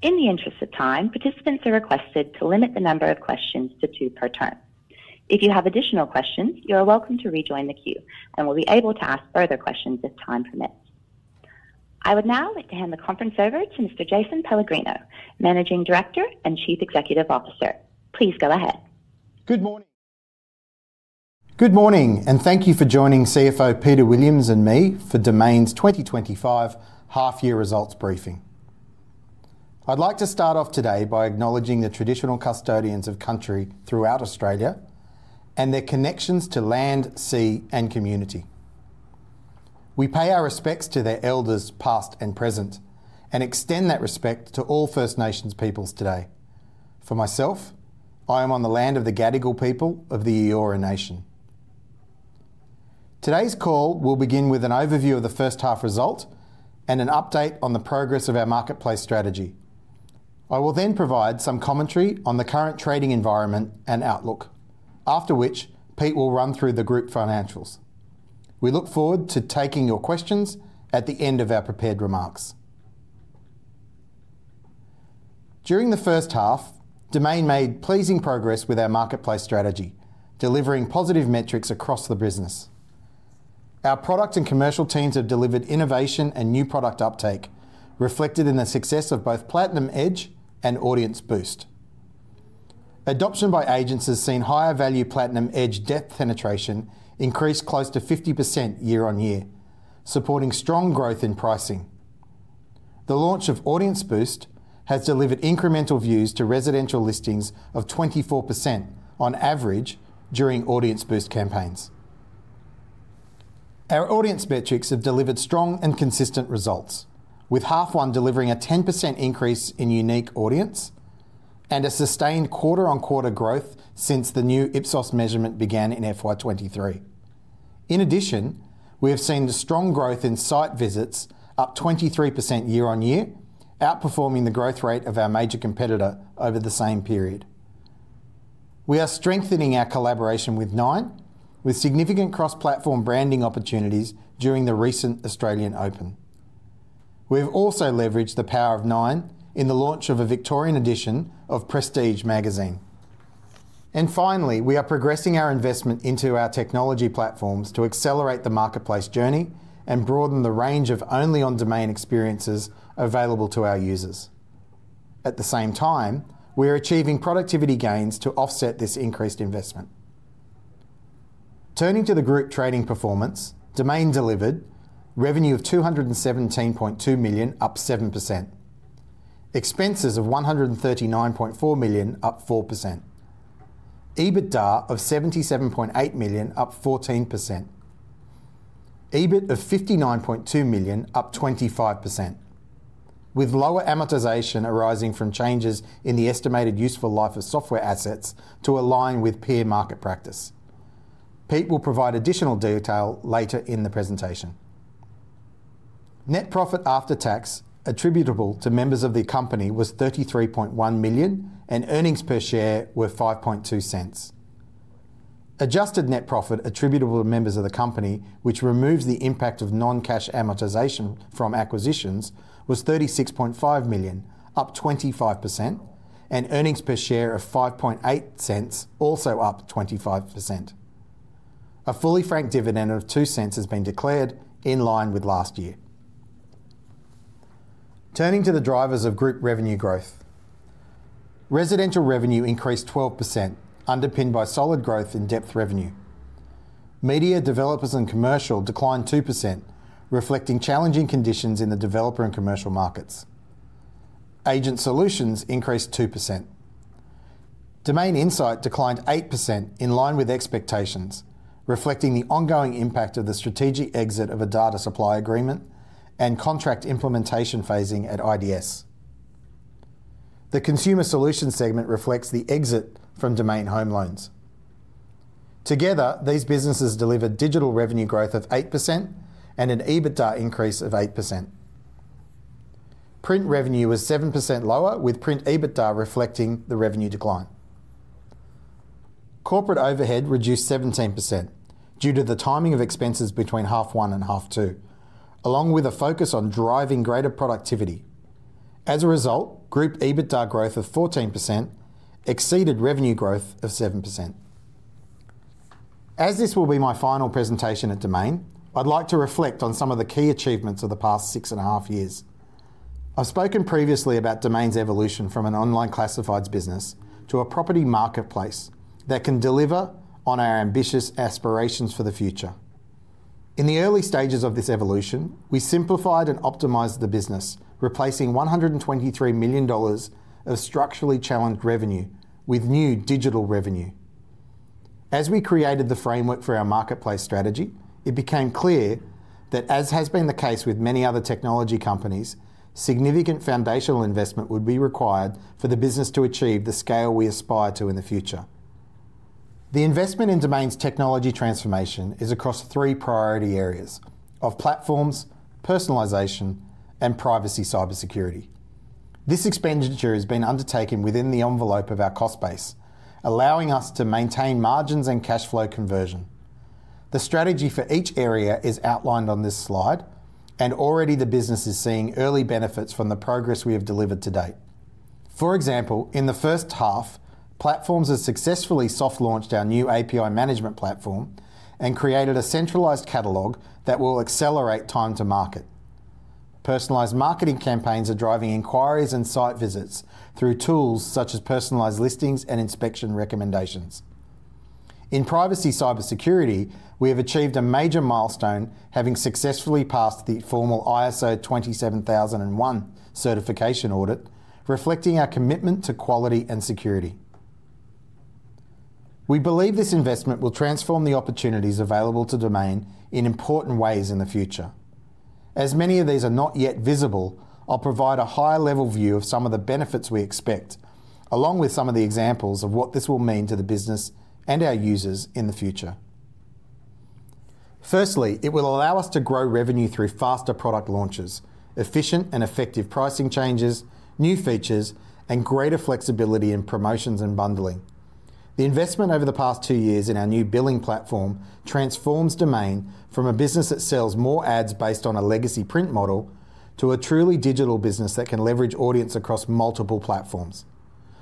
In the interest of time, participants are requested to limit the number of questions to two per term. If you have additional questions, you are welcome to rejoin the queue, and we'll be able to ask further questions if time permits. I would now like to hand the conference over to Mr. Jason Pellegrino, Managing Director and Chief Executive Officer. Please go ahead. Good morning. Good morning, and thank you for joining CFO Peter Williams and me for Domain's 2025 Half-Year Results Briefing. I'd like to start off today by acknowledging the traditional custodians of country throughout Australia and their connections to land, sea, and community. We pay our respects to their elders past and present, and extend that respect to all First Nations peoples today. For myself, I am on the land of the Gadigal people of the Eora Nation. Today's call will begin with an overview of the first half result and an update on the progress of our marketplace strategy. I will then provide some commentary on the current trading environment and outlook, after which Pete will run through the group financials. We look forward to taking your questions at the end of our prepared remarks. During the first half, Domain made pleasing progress with our marketplace strategy, delivering positive metrics across the business. Our product and commercial teams have delivered innovation and new product uptake, reflected in the success of both Platinum Edge and Audience Boost. Adoption by agents has seen higher-value Platinum Edge Depth penetration increase close to 50% year on year, supporting strong growth in pricing. The launch of Audience Boost has delivered incremental views to residential listings of 24% on average during Audience Boost campaigns. Our audience metrics have delivered strong and consistent results, with H1 delivering a 10% increase in unique audience and a sustained quarter-on-quarter growth since the new Ipsos measurement began in FY23. In addition, we have seen strong growth in site visits, up 23% year-on-year, outperforming the growth rate of our major competitor over the same period. We are strengthening our collaboration with Nine, with significant cross-platform branding opportunities during the recent Australian Open. We have also leveraged the power of Nine in the launch of a Victorian Edition of Prestige magazine. Finally, we are progressing our investment into our technology platforms to accelerate the marketplace journey and broaden the range of Only-on-Domain experiences available to our users. At the same time, we are achieving productivity gains to offset this increased investment. Turning to the group trading performance, Domain delivered revenue of $ 217.2 million, up 7%. Expenses of $ 139.4 million, up 4%. EBITDA of $ 77.8 million, up 14%. EBIT of $ 59.2 million, up 25%, with lower amortization arising from changes in the estimated useful life of software assets to align with peer market practice. Pete will provide additional detail later in the presentation. Net profit after tax attributable to members of the company was $ 33.1 million, and earnings per share were $ 0.42 Adjusted net profit attributable to members of the company, which removes the impact of non-cash amortization from acquisitions, was $ 36.5 million, up 25%, and earnings per share of $ 0.48, also up 25%. A fully franked dividend of $ 0.02 has been declared, in line with last year. Turning to the drivers of group revenue growth, residential revenue increased 12%, underpinned by solid growth in Depth revenue. Media, developers, and commercial declined 2%, reflecting challenging conditions in the developer and commercial markets. Agent solutions increased 2%. Domain Insight declined 8%, in line with expectations, reflecting the ongoing impact of the strategic exit of a data supply agreement and contract implementation phasing at IDS. The consumer solution segment reflects the exit from Domain Home Loans. Together, these businesses delivered digital revenue growth of 8% and an EBITDA increase of 8%. Print revenue was 7% lower, with print EBITDA reflecting the revenue decline. Corporate overhead reduced 17% due to the timing of expenses between half one and half two, along with a focus on driving greater productivity. As a result, group EBITDA growth of 14% exceeded revenue growth of 7%. As this will be my final presentation at Domain, I'd like to reflect on some of the key achievements of the past six and a half years. I've spoken previously about Domain's evolution from an online classifieds business to a property marketplace that can deliver on our ambitious aspirations for the future. In the early stages of this evolution, we simplified and optimized the business, replacing $ 123 million of structurally challenged revenue with new digital revenue. As we created the framework for our marketplace strategy, it became clear that, as has been the case with many other technology companies, significant foundational investment would be required for the business to achieve the scale we aspire to in the future. The investment in Domain's technology transformation is across three priority areas of platforms, personalization, and privacy cybersecurity. This expenditure has been undertaken within the envelope of our cost base, allowing us to maintain margins and cash flow conversion. The strategy for each area is outlined on this slide, and already the business is seeing early benefits from the progress we have delivered to date. For example, in the first half, platforms have successfully soft-launched our new API management platform and created a centralized catalog that will accelerate time to market. Personalized marketing campaigns are driving inquiries and site visits through tools such as personalized listings and inspection recommendations. In privacy cybersecurity, we have achieved a major milestone, having successfully passed the formal ISO 27001 certification, reflecting our commitment to quality and security. We believe this investment will transform the opportunities available to Domain in important ways in the future. As many of these are not yet visible, I'll provide a high-level view of some of the benefits we expect, along with some of the examples of what this will mean to the business and our users in the future. Firstly, it will allow us to grow revenue through faster product launches, efficient and effective pricing changes, new features, and greater flexibility in promotions and bundling. The investment over the past two years in our new billing platform transforms Domain from a business that sells more ads based on a legacy print model to a truly digital business that can leverage audience across multiple platforms.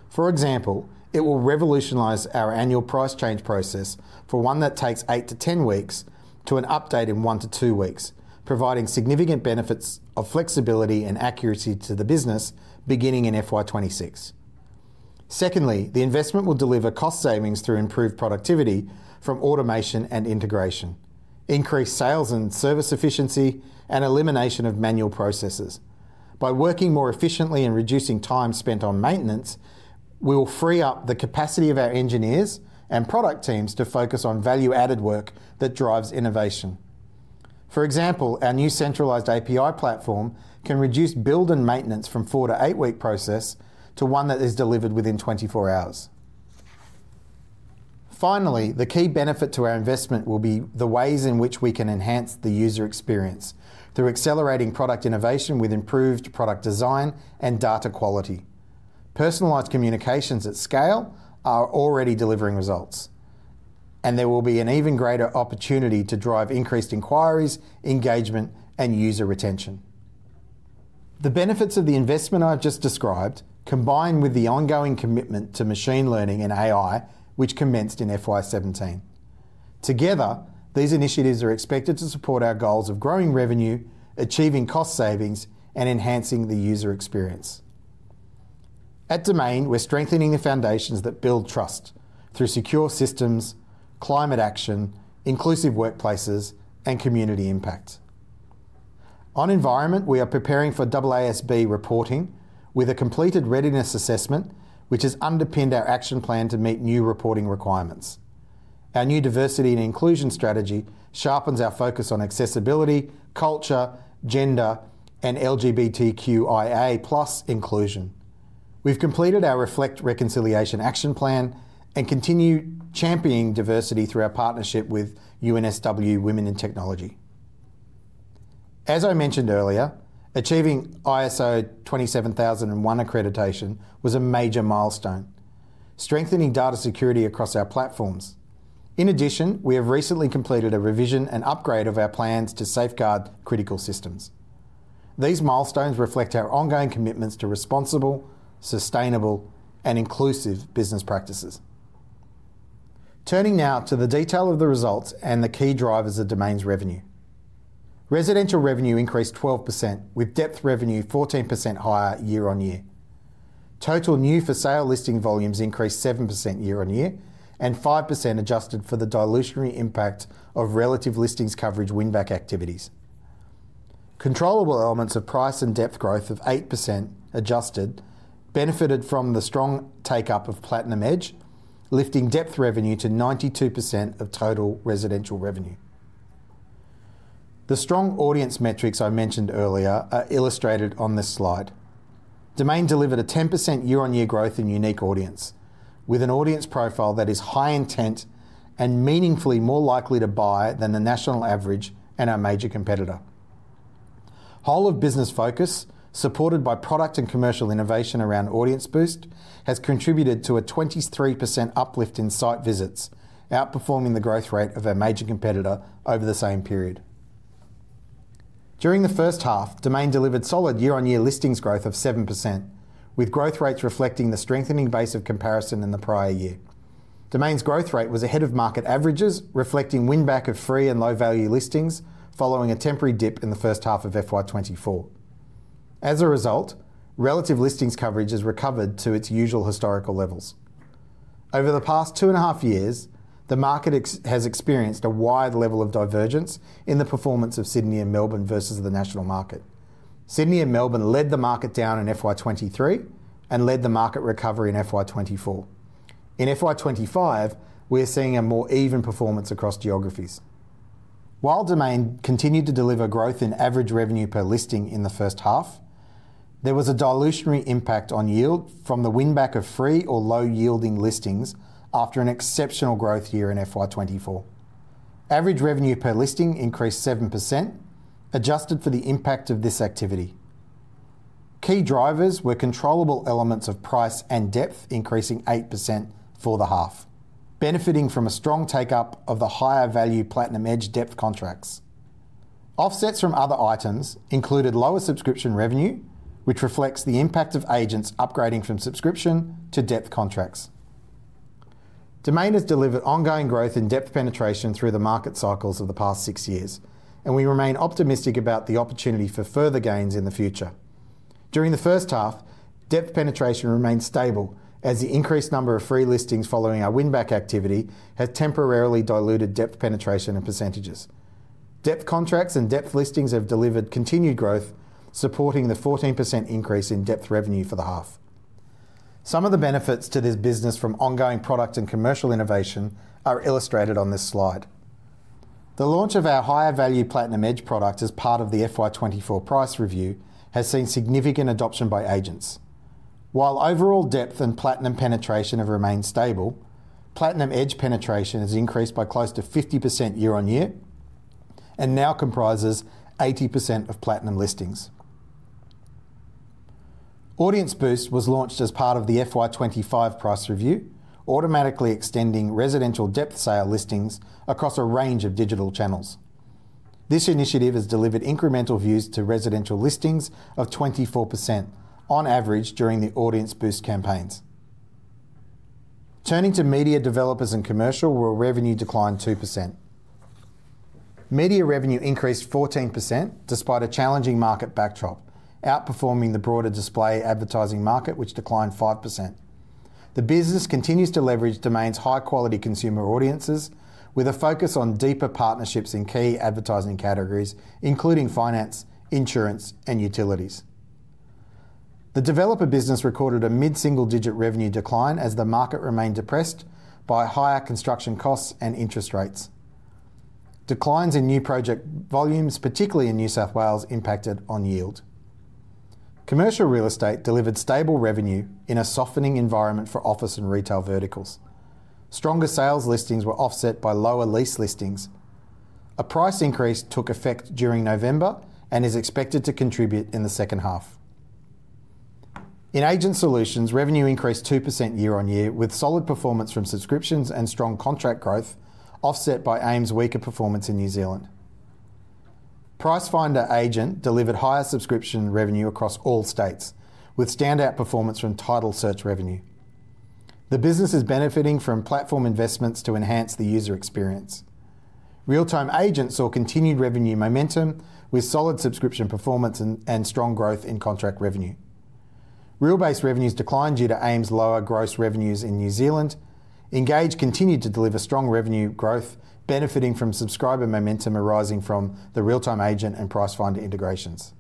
For example, it will revolutionize our annual price change process from one that takes eight to 10 weeks to an update in one to two weeks, providing significant benefits of flexibility and accuracy to the business beginning in FY26. Secondly, the investment will deliver cost savings through improved productivity from automation and integration, increased sales and service efficiency, and elimination of manual processes. By working more efficiently and reducing time spent on maintenance, we will free up the capacity of our engineers and product teams to focus on value-added work that drives innovation. For example, our new centralized API platform can reduce build and maintenance from a four to eight-week process to one that is delivered within 24 hours. Finally, the key benefit to our investment will be the ways in which we can enhance the user experience through accelerating product innovation with improved product design and data quality. Personalized communications at scale are already delivering results, and there will be an even greater opportunity to drive increased inquiries, engagement, and user retention. The benefits of the investment I've just described, combined with the ongoing commitment to machine learning and AI, which commenced in FY17. Together, these initiatives are expected to support our goals of growing revenue, achieving cost savings, and enhancing the user experience. At Domain, we're strengthening the foundations that build trust through secure systems, climate action, inclusive workplaces, and community impact. On environment, we are preparing for AASB reporting with a completed readiness assessment, which has underpinned our action plan to meet new reporting requirements. Our new diversity and inclusion strategy sharpens our focus on accessibility, culture, gender, and LGBTQIA+ inclusion. We've completed our Reflect Reconciliation Action Plan and continue championing diversity through our partnership with UNSW Women in Technology. As I mentioned earlier, achieving ISO 27001 accreditation was a major milestone, strengthening data security across our platforms. In addition, we have recently completed a revision and upgrade of our plans to safeguard critical systems. These milestones reflect our ongoing commitments to responsible, sustainable, and inclusive business practices. Turning now to the detail of the results and the key drivers of Domain's revenue. Residential revenue increased 12%, with Depth revenue 14% higher year-on-year. Total new-for-sale listing volumes increased 7% year on year, and 5% adjusted for the dilutionary impact of relative listings coverage win-back activities. Controllable elements of price and Depth growth of 8% Adjusted benefited from the strong take-up of Platinum Edge, lifting Depth revenue to 92% of total residential revenue. The strong audience metrics I mentioned earlier are illustrated on this slide. Domain delivered a 10% year-on-year growth in unique audience, with an audience profile that is high-intent and meaningfully more likely to buy than the national average and our major competitor. Whole-of-business focus, supported by product and commercial innovation around Audience Boost, has contributed to a 23% uplift in site visits, outperforming the growth rate of our major competitor over the same period. During the first half, Domain delivered solid year-on-year listings growth of 7%, with growth rates reflecting the strengthening base of comparison in the prior year. Domain's growth rate was ahead of market averages, reflecting win-back of free and low-value listings following a temporary dip in the first half of FY24. As a result, relative listings coverage has recovered to its usual historical levels. Over the past two and a half years, the market has experienced a wide level of divergence in the performance of Sydney and Melbourne versus the national market. Sydney and Melbourne led the market down in FY23 and led the market recovery in FY24. In FY25, we are seeing a more even performance across geographies. While Domain continued to deliver growth in average revenue per listing in the first half, there was a dilutionary impact on yield from the win-back of free or low-yielding listings after an exceptional growth year in FY24. Average revenue per listing increased 7%, adjusted for the impact of this activity. Key drivers were controllable elements of price and Depth, increasing 8% for the half, benefiting from a strong take-up of the higher-value Platinum Edge Depth contracts. Offsets from other items included lower subscription revenue, which reflects the impact of agents upgrading from subscription to Depth contracts. Domain has delivered ongoing growth in Depth penetration through the market cycles of the past six years, and we remain optimistic about the opportunity for further gains in the future. During the first half, Depth penetration remained stable as the increased number of free listings following our win-back activity has temporarily diluted Depth penetration in percentages. Depth contracts and Depth listings have delivered continued growth, supporting the 14% increase in Depth revenue for the half. Some of the benefits to this business from ongoing product and commercial innovation are illustrated on this slide. The launch of our higher-value Platinum Edge products as part of the FY24 price review has seen significant adoption by agents. While overall Depth and Platinum penetration have remained stable, Platinum Edge penetration has increased by close to 50% year-on-year and now comprises 80% of Platinum listings. Audience Boost was launched as part of the FY25 price review, automatically extending residential Depth sale listings across a range of digital channels. This initiative has delivered incremental views to residential listings of 24% on average during the Audience Boost campaigns. Turning to media, developers, and commercial, where revenue declined 2%. Media revenue increased 14% despite a challenging market backdrop, outperforming the broader display advertising market, which declined 5%. The business continues to leverage Domain's high-quality consumer audiences with a focus on deeper partnerships in key advertising categories, including finance, insurance, and utilities. The developer business recorded a mid-single-digit revenue decline as the market remained depressed by higher construction costs and interest rates. Declines in new project volumes, particularly in New South Wales, impacted on yield. Commercial real estate delivered stable revenue in a softening environment for office and retail verticals. Stronger sales listings were offset by lower lease listings. A price increase took effect during November and is expected to contribute in the second half. In agent solutions, revenue increased 2% year-on-year with solid performance from subscriptions and strong contract growth, offset by AIM's weaker performance in New Zealand. Pricefinder Agent delivered higher subscription revenue across all states with standout performance from title search revenue. The business is benefiting from platform investments to enhance the user experience. Real Time Agent saw continued revenue momentum with solid subscription performance and strong growth in contract revenue. Realbase revenues declined due to AIM's lower gross revenues in New Zealand. Engage continued to deliver strong revenue growth, benefiting from subscriber momentum arising from the Real-Time Agent and Pricefinder integrations.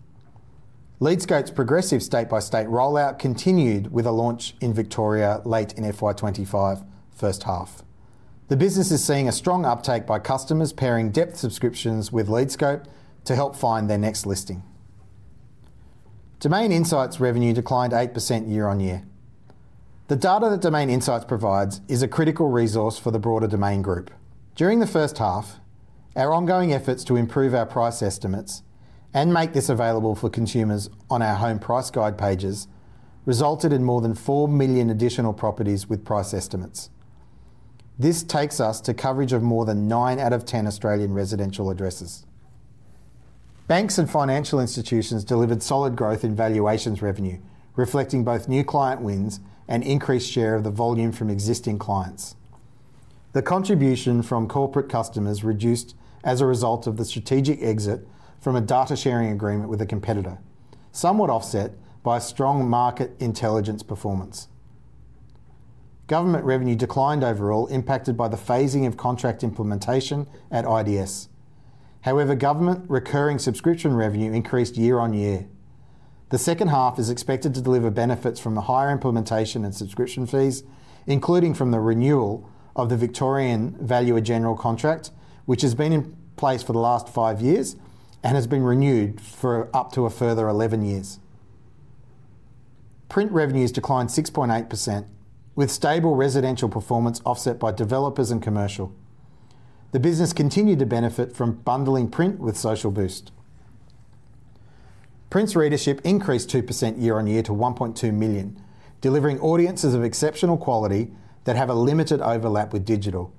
LeadScope's progressive state-by-state rollout continued with a launch in Victoria late in FY 2025 first half. The business is seeing a strong uptake by customers pairing Depth subscriptions with LeadScope to help find their next listing. Domain Insight revenue declined 8% year-on-year. The data that Domain Insight provides is a critical resource for the broader Domain Group. During the first half, our ongoing efforts to improve our price estimates and make this available for consumers on our home price guide pages resulted in more than four million additional properties with price estimates. This takes us to coverage of more than nine out of 10 Australian residential addresses. Banks and financial institutions delivered solid growth in valuations revenue, reflecting both new client wins and increased share of the volume from existing clients. The contribution from corporate customers reduced as a result of the strategic exit from a data sharing agreement with a competitor, somewhat offset by strong market intelligence performance. Government revenue declined overall, impacted by the phasing of contract implementation at IDS. However, government recurring subscription revenue increased year-on-year. The second half is expected to deliver benefits from the higher implementation and subscription fees, including from the renewal of the Victorian Valuer-General contract, which has been in place for the last five years and has been renewed for up to a further 11 years. Print revenues declined 6.8%, with stable residential performance offset by developers and commercial. The business continued to benefit from bundling print with Social Boost. Print's readership increased 2% year-on-year to 1.2 million, delivering audiences of exceptional quality that have a limited overlap with digital.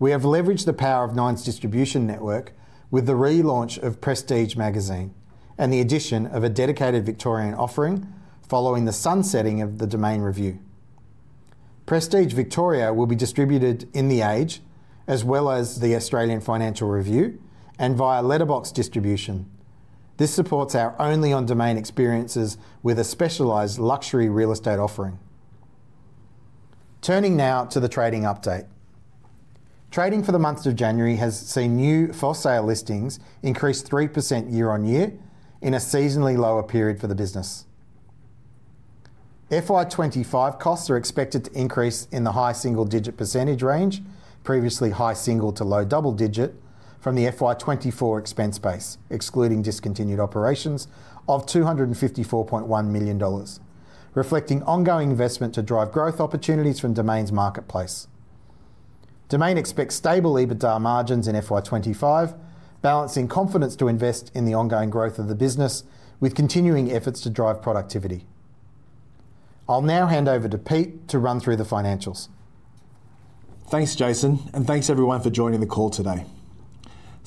We have leveraged the power of Nine's distribution network with the relaunch of Prestige magazine and the addition of a dedicated Victorian offering following the sunsetting of the Domain Review. Prestige Victoria will be distributed in The Age, as well as The Australian Financial Review and via letterbox distribution. This supports our only-on-Domain experiences with a specialized luxury real estate offering. Turning now to the trading update. Trading for the month of January has seen new for sale listings increase 3% year-on-year in a seasonally lower period for the business. FY25 costs are expected to increase in the high single-digit percentage range, previously high single- to low double-digit from the FY24 expense base, excluding discontinued operations of $ 254.1 million, reflecting ongoing investment to drive growth opportunities from Domain's marketplace. Domain expects stable EBITDA margins in FY25, balancing confidence to invest in the ongoing growth of the business with continuing efforts to drive productivity. I'll now hand over to Pete to run through the financials. Thanks, Jason, and thanks everyone for joining the call today.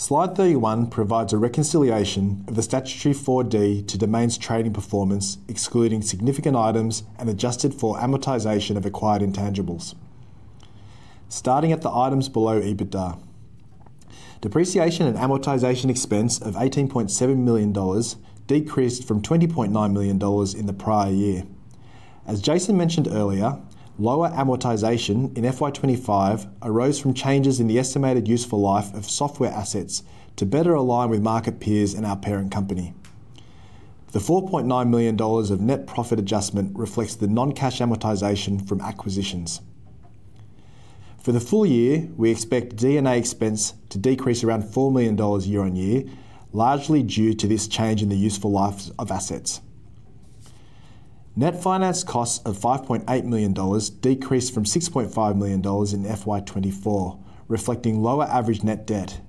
Slide 31 provides a reconciliation of the statutory 4D to Domain's trading performance, excluding significant items and adjusted for amortization of acquired intangibles. Starting at the items below EBITDA, depreciation and amortization expense of $ 18.7 million decreased from $ 20.9 million in the prior year. As Jason mentioned earlier, lower amortization in FY25 arose from changes in the estimated useful life of software assets to better align with market peers and our parent company. The $ 4.9 million of net profit adjustment reflects the non-cash amortization from acquisitions. For the full year, we expect DNA expense to decrease around $ 4 million year-on-year, largely due to this change in the useful life of assets. Net finance costs of $ 5.8 million decreased from $ 6.5 million in FY24, reflecting lower average net debt.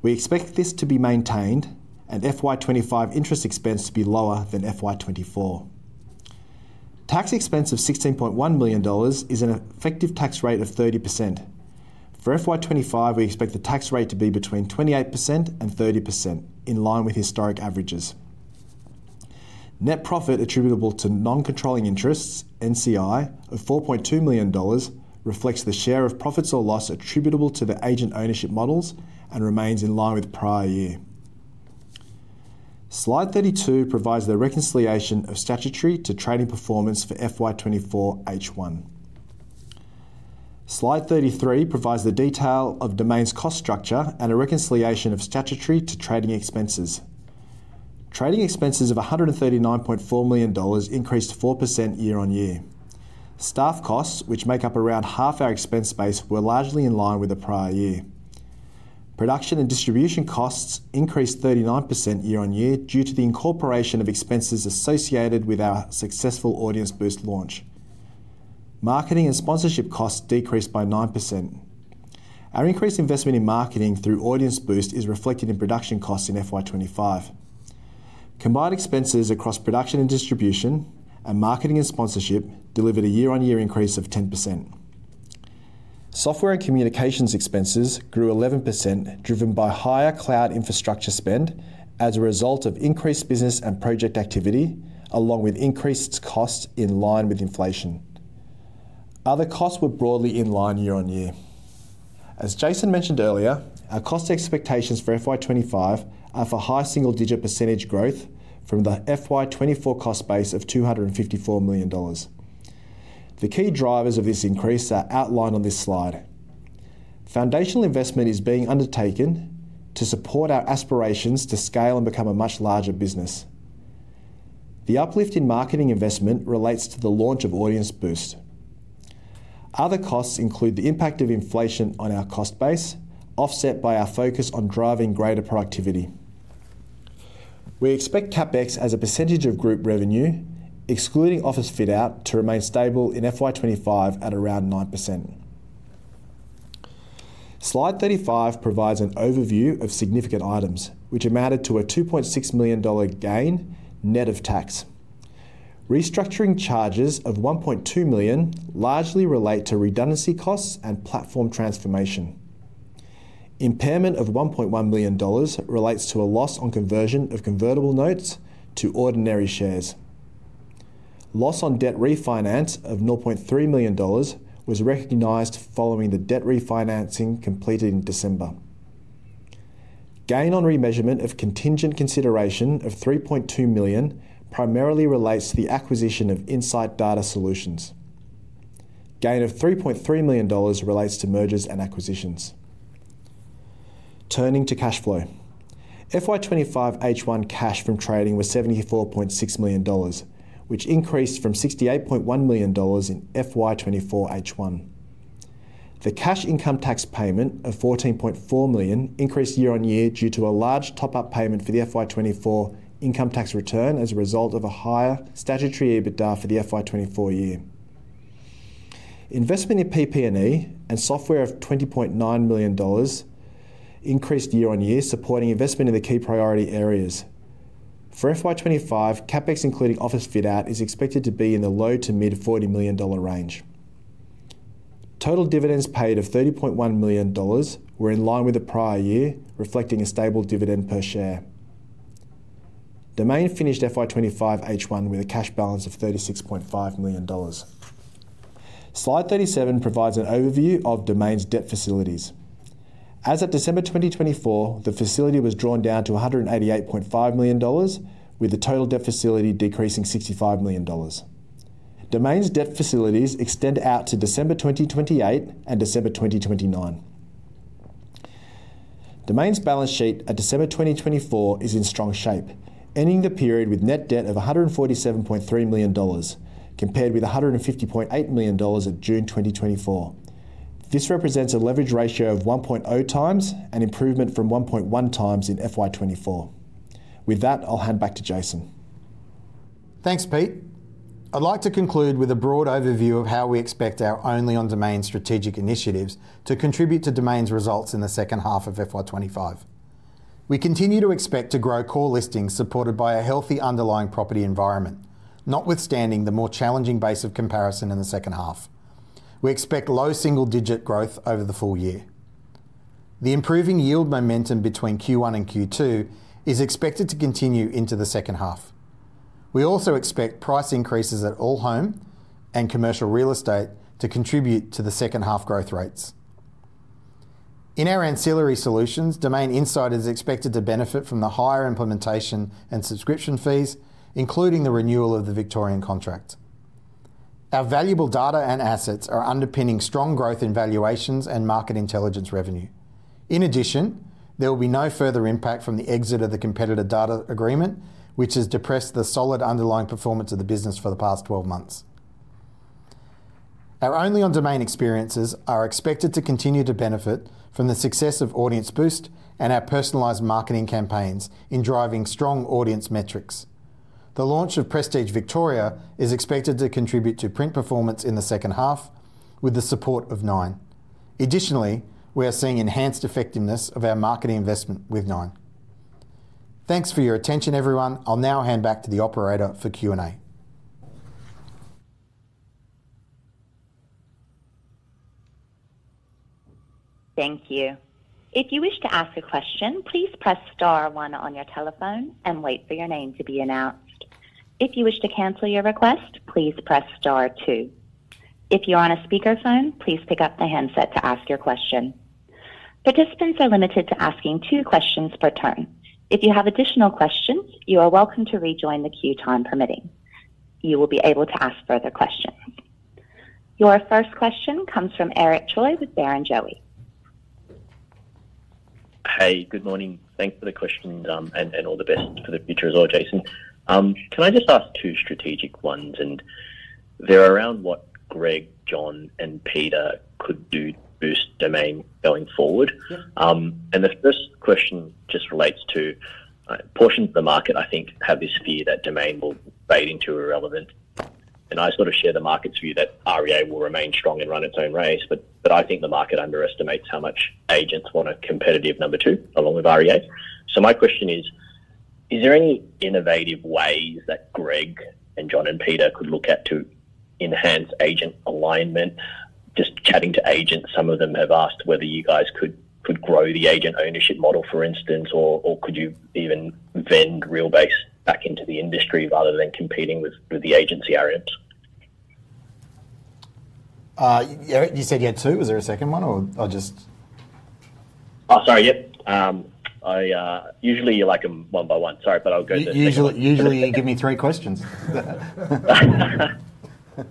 We expect this to be maintained and FY25 interest expense to be lower than FY24. Tax expense of $ 16.1 million is an effective tax rate of 30%. For FY25, we expect the tax rate to be between 28% and 30%, in line with historic averages. Net profit attributable to non-controlling interests, NCI, of $ 4.2 million reflects the share of profits or loss attributable to the agent ownership models and remains in line with prior year. Slide 32 provides the reconciliation of statutory to trading performance for FY24 H1. Slide 33 provides the detail of Domain's cost structure and a reconciliation of statutory to trading expenses. Trading expenses of $ 139.4 million increased 4% year-on-year. Staff costs, which make up around half our expense base, were largely in line with the prior year. Production and distribution costs increased 39% year-on-year due to the incorporation of expenses associated with our successful Audience Boost launch. Marketing and sponsorship costs decreased by 9%. Our increased investment in marketing through Audience Boost is reflected in production costs in FY25. Combined expenses across production and distribution and marketing and sponsorship delivered a year-on-year increase of 10%. Software and communications expenses grew 11%, driven by higher cloud infrastructure spend as a result of increased business and project activity, along with increased costs in line with inflation. Other costs were broadly in line year-on-year. As Jason mentioned earlier, our cost expectations for FY25 are for high single-digit percentage growth from the FY24 cost base of $ 254 million. The key drivers of this increase are outlined on this slide. Foundational investment is being undertaken to support our aspirations to scale and become a much larger business. The uplift in marketing investment relates to the launch of Audience Boost. Other costs include the impact of inflation on our cost base, offset by our focus on driving greater productivity. We expect CapEx as a percentage of group revenue, excluding office fit-out, to remain stable in FY25 at around 9%. Slide 35 provides an overview of significant items, which amounted to a $ 2.6 million gain net of tax. Restructuring charges of $ 1.2 million largely relate to redundancy costs and platform transformation. Impairment of $ 1.1 million relates to a loss on conversion of convertible notes to ordinary shares. Loss on debt refinance of $ 0.3 million was recognized following the debt refinancing completed in December. Gain on re-measurement of contingent consideration of $ 3.2 million primarily relates to the acquisition of Insight Data Solutions. Gain of $ 3.3 million relates to mergers and acquisitions. Turning to cash flow, FY25 H1 cash from trading was $ 74.6 million, which increased from $ 68.1 million in FY24 H1. The cash income tax payment of $ 14.4 million increased year-on-year due to a large top-up payment for the FY24 income tax return as a result of a higher statutory EBITDA for the FY24 year. Investment in PP&E and software of $ 20.9 million increased year-on-year, supporting investment in the key priority areas. For FY25, CapEx, including office fit-out, is expected to be in the low to mid $ 40 million range. Total dividends paid of $ 30.1 million were in line with the prior year, reflecting a stable dividend per share. Domain finished FY25 H1 with a cash balance of $ 36.5 million. Slide 37 provides an overview of Domain's debt facilities. As of December 2024, the facility was drawn down to $ 188.5 million, with the total debt facility decreasing $ 65 million. Domain's debt facilities extend out to December 2028 and December 2029. Domain's balance sheet at December 2024 is in strong shape, ending the period with net debt of $ 147.3 million, compared with $ 150.8 million at June 2024. This represents a leverage ratio of 1.0 times and improvement from 1.1 times in FY24. With that, I'll hand back to Jason. Thanks, Pete. I'd like to conclude with a broad overview of how we expect our only-on-domain strategic initiatives to contribute to Domain's results in the second half of FY25. We continue to expect to grow core listings supported by a healthy underlying property environment, notwithstanding the more challenging base of comparison in the second half. We expect low single-digit growth over the full year. The improving yield momentum between Q1 and Q2 is expected to continue into the second half. We also expect price increases at all home and commercial real estate to contribute to the second half growth rates. In our ancillary solutions, Domain Insight is expected to benefit from the higher implementation and subscription fees, including the renewal of the Victorian contract. Our valuable data and assets are underpinning strong growth in valuations and market intelligence revenue. In addition, there will be no further impact from the exit of the competitor data agreement, which has depressed the solid underlying performance of the business for the past 12 months. Our only-on-domain experiences are expected to continue to benefit from the success of Audience Boost and our personalized marketing campaigns in driving strong audience metrics. The launch of Prestige Victoria is expected to contribute to print performance in the second half, with the support of Nine. Additionally, we are seeing enhanced effectiveness of our marketing investment with Nine. Thanks for your attention, everyone. I'll now hand back to the operator for Q&A. Thank you. If you wish to ask a question, please press Star one on your telephone and wait for your name to be announced. If you wish to cancel your request, please press Star two. If you're on a speakerphone, please pick up the handset to ask your question. Participants are limited to asking two questions per turn. If you have additional questions, you are welcome to rejoin the queue time permitting. You will be able to ask further questions. Your first question comes from Eric Choi with Barrenjoey. Hey, good morning. Thanks for the question and all the best for the future as well, Jason. Can I just ask two strategic ones? And they're around what Greg, John, and Peter could do to boost Domain going forward. And the first question just relates to portions of the market, I think, have this fear that Domain will fade into irrelevance. And I sort of share the market's view that REA will remain strong and run its own race, but I think the market underestimates how much agents want a competitive number two, along with REA. So my question is, is there any innovative ways that Greg and John and Peter could look at to enhance agent alignment? Just chatting to agents, some of them have asked whether you guys could grow the agent ownership model, for instance, or could you even vend Realbase back into the industry rather than competing with the agency REMs? You said you had two. Was there a second one or just? Oh, sorry. Yep. Usually, you like them one by one. Sorry, but I'll go there. Usually, you give me three questions.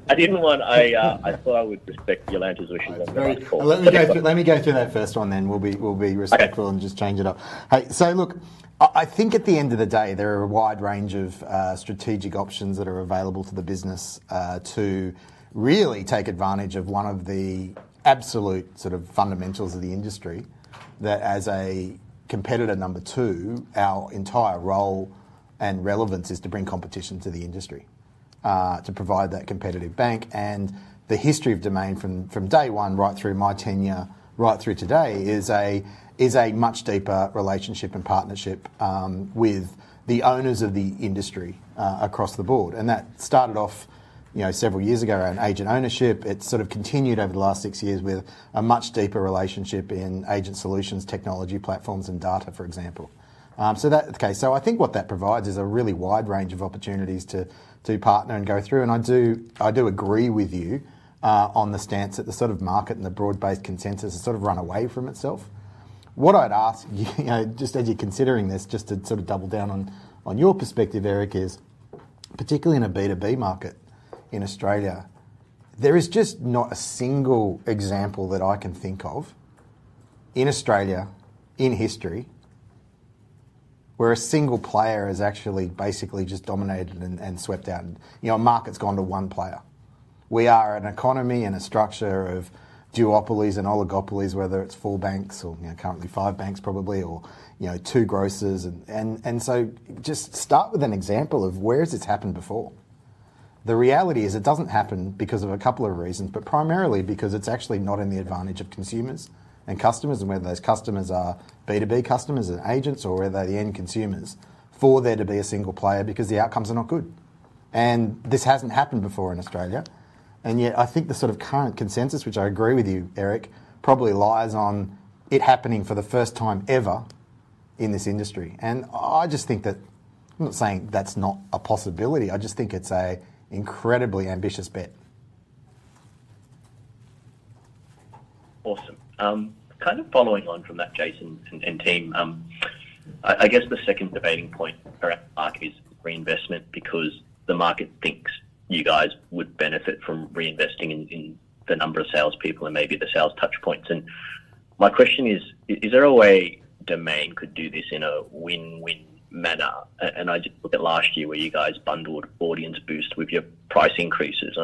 I didn't want. I thought I would respect your answers if she wanted to ask four. Let me go through that first one then. We'll be respectful and just change it up. So, look, I think at the end of the day, there are a wide range of strategic options that are available to the business to really take advantage of one of the absolute sort of fundamentals of the industry that, as a competitor number two, our entire role and relevance is to bring competition to the industry, to provide that competitive bank. And the history of Domain from day one, right through my tenure, right through today, is a much deeper relationship and partnership with the owners of the industry across the board. And that started off several years ago around agent ownership. It's sort of continued over the last six years with a much deeper relationship in agent solutions, technology platforms, and data, for example. So that's okay. So I think what that provides is a really wide range of opportunities to partner and go through. I do agree with you on the stance that the sort of market and the broad-based consensus has sort of run away from itself. What I'd ask, just as you're considering this, just to sort of double down on your perspective, Eric, is particularly in a B2B market in Australia, there is just not a single example that I can think of in Australia, in history, where a single player has actually basically just dominated and swept out. The market's gone to one player. We are an economy and a structure of duopolies and oligopolies, whether it's four banks or currently five banks probably, or two grocers. Just start with an example of where has this happened before. The reality is it doesn't happen because of a couple of reasons, but primarily because it's actually not in the advantage of consumers and customers, and whether those customers are B2B customers and agents or whether they're the end consumers for there to be a single player because the outcomes are not good. And this hasn't happened before in Australia. And yet, I think the sort of current consensus, which I agree with you, Eric, probably lies on it happening for the first time ever in this industry. And I just think that I'm not saying that's not a possibility. I just think it's an incredibly ambitious bet. Awesome. Kind of following on from that, Jason and team, I guess the second debating point around the market is reinvestment because the market thinks you guys would benefit from reinvesting in the number of salespeople and maybe the sales touchpoints. My question is, is there a way Domain could do this in a win-win manner? I just looked at last year where you guys bundled Audience Boost with your price increases.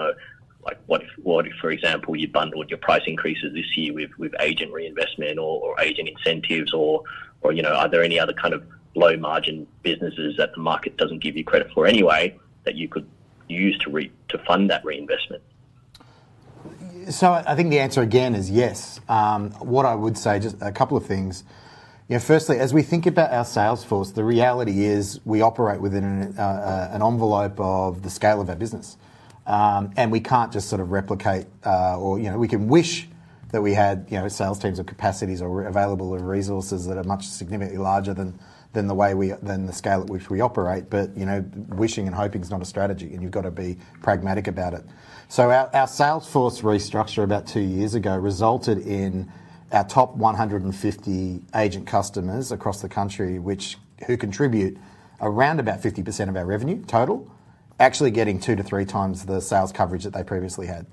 What if, for example, you bundled your price increases this year with agent reinvestment or agent incentives? Or are there any other kind of low-margin businesses that the market doesn't give you credit for anyway that you could use to fund that re-investment? So I think the answer again is yes. What I would say, just a couple of things. Firstly, as we think about our sales force, the reality is we operate within an envelope of the scale of our business. We can't just sort of replicate or we can wish that we had sales teams or capacities or available resources that are much significantly larger than the scale at which we operate. But wishing and hoping is not a strategy, and you've got to be pragmatic about it. So our sales force restructure about two years ago resulted in our top 150 agent customers across the country, which contribute around about 50% of our revenue total, actually getting two to three times the sales coverage that they previously had.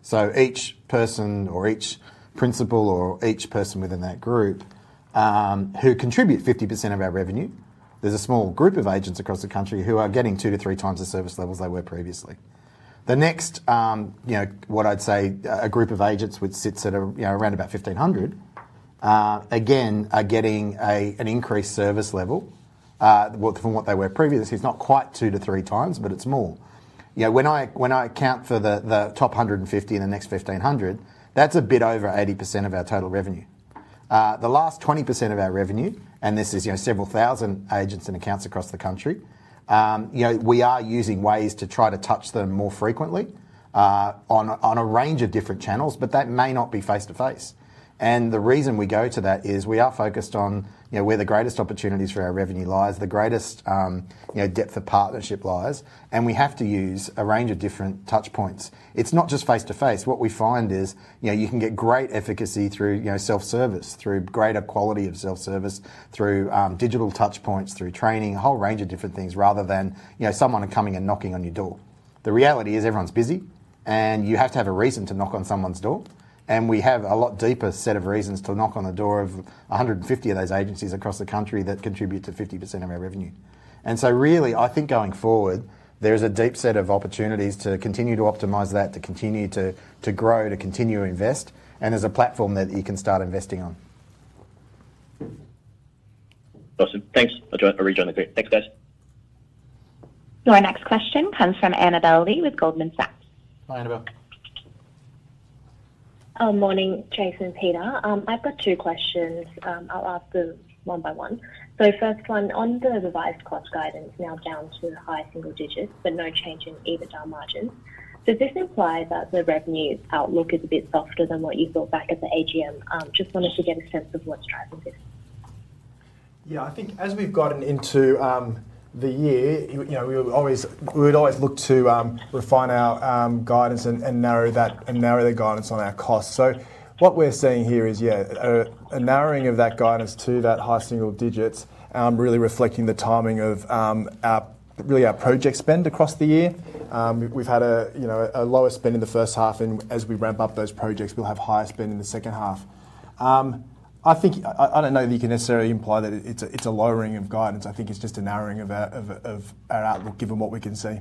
So each person or each principal or each person within that group who contribute 50% of our revenue, there's a small group of agents across the country who are getting two to three times the service levels they were previously. The next, what I'd say, a group of agents which sits at around about 1,500, again, are getting an increased service level from what they were previously. It's not quite two to three times, but it's more. When I account for the top 150 in the next 1,500, that's a bit over 80% of our total revenue. The last 20% of our revenue, and this is several thousand agents and accounts across the country, we are using ways to try to touch them more frequently on a range of different channels, but that may not be face-to-face. And the reason we go to that is we are focused on where the greatest opportunities for our revenue lies, the greatest depth of partnership lies, and we have to use a range of different touchpoints. It's not just face-to-face. What we find is you can get great efficacy through self-service, through greater quality of self-service, through digital touchpoints, through training, a whole range of different things rather than someone coming and knocking on your door. The reality is everyone's busy, and you have to have a reason to knock on someone's door. And we have a lot deeper set of reasons to knock on the door of 150 of those agencies across the country that contribute to 50% of our revenue. And so really, I think going forward, there is a deep set of opportunities to continue to optimize that, to continue to grow, to continue to invest, and as a platform that you can start investing on. Awesome. Thanks. I'll rejoin the group. Thanks, guys. So our next question comes from Annabel Li with Goldman Sachs. Hi, Annabel. Morning, Jason and Peter. I've got two questions. I'll ask them one-by-one. So first one, on the revised cost guidance, now down to high single digits, but no change in EBITDA margins. Does this imply that the revenue outlook is a bit softer than what you thought back at the AGM? Just wanted to get a sense of what's driving this. Yeah, I think as we've gotten into the year, we would always look to refine our guidance and narrow the guidance on our costs. So what we're seeing here is, yeah, a narrowing of that guidance to that high single digits, really reflecting the timing of really our project spend across the year. We've had a lower spend in the first half, and as we ramp up those projects, we'll have higher spend in the second half. I don't know that you can necessarily imply that it's a lowering of guidance. I think it's just a narrowing of our outlook given what we can see.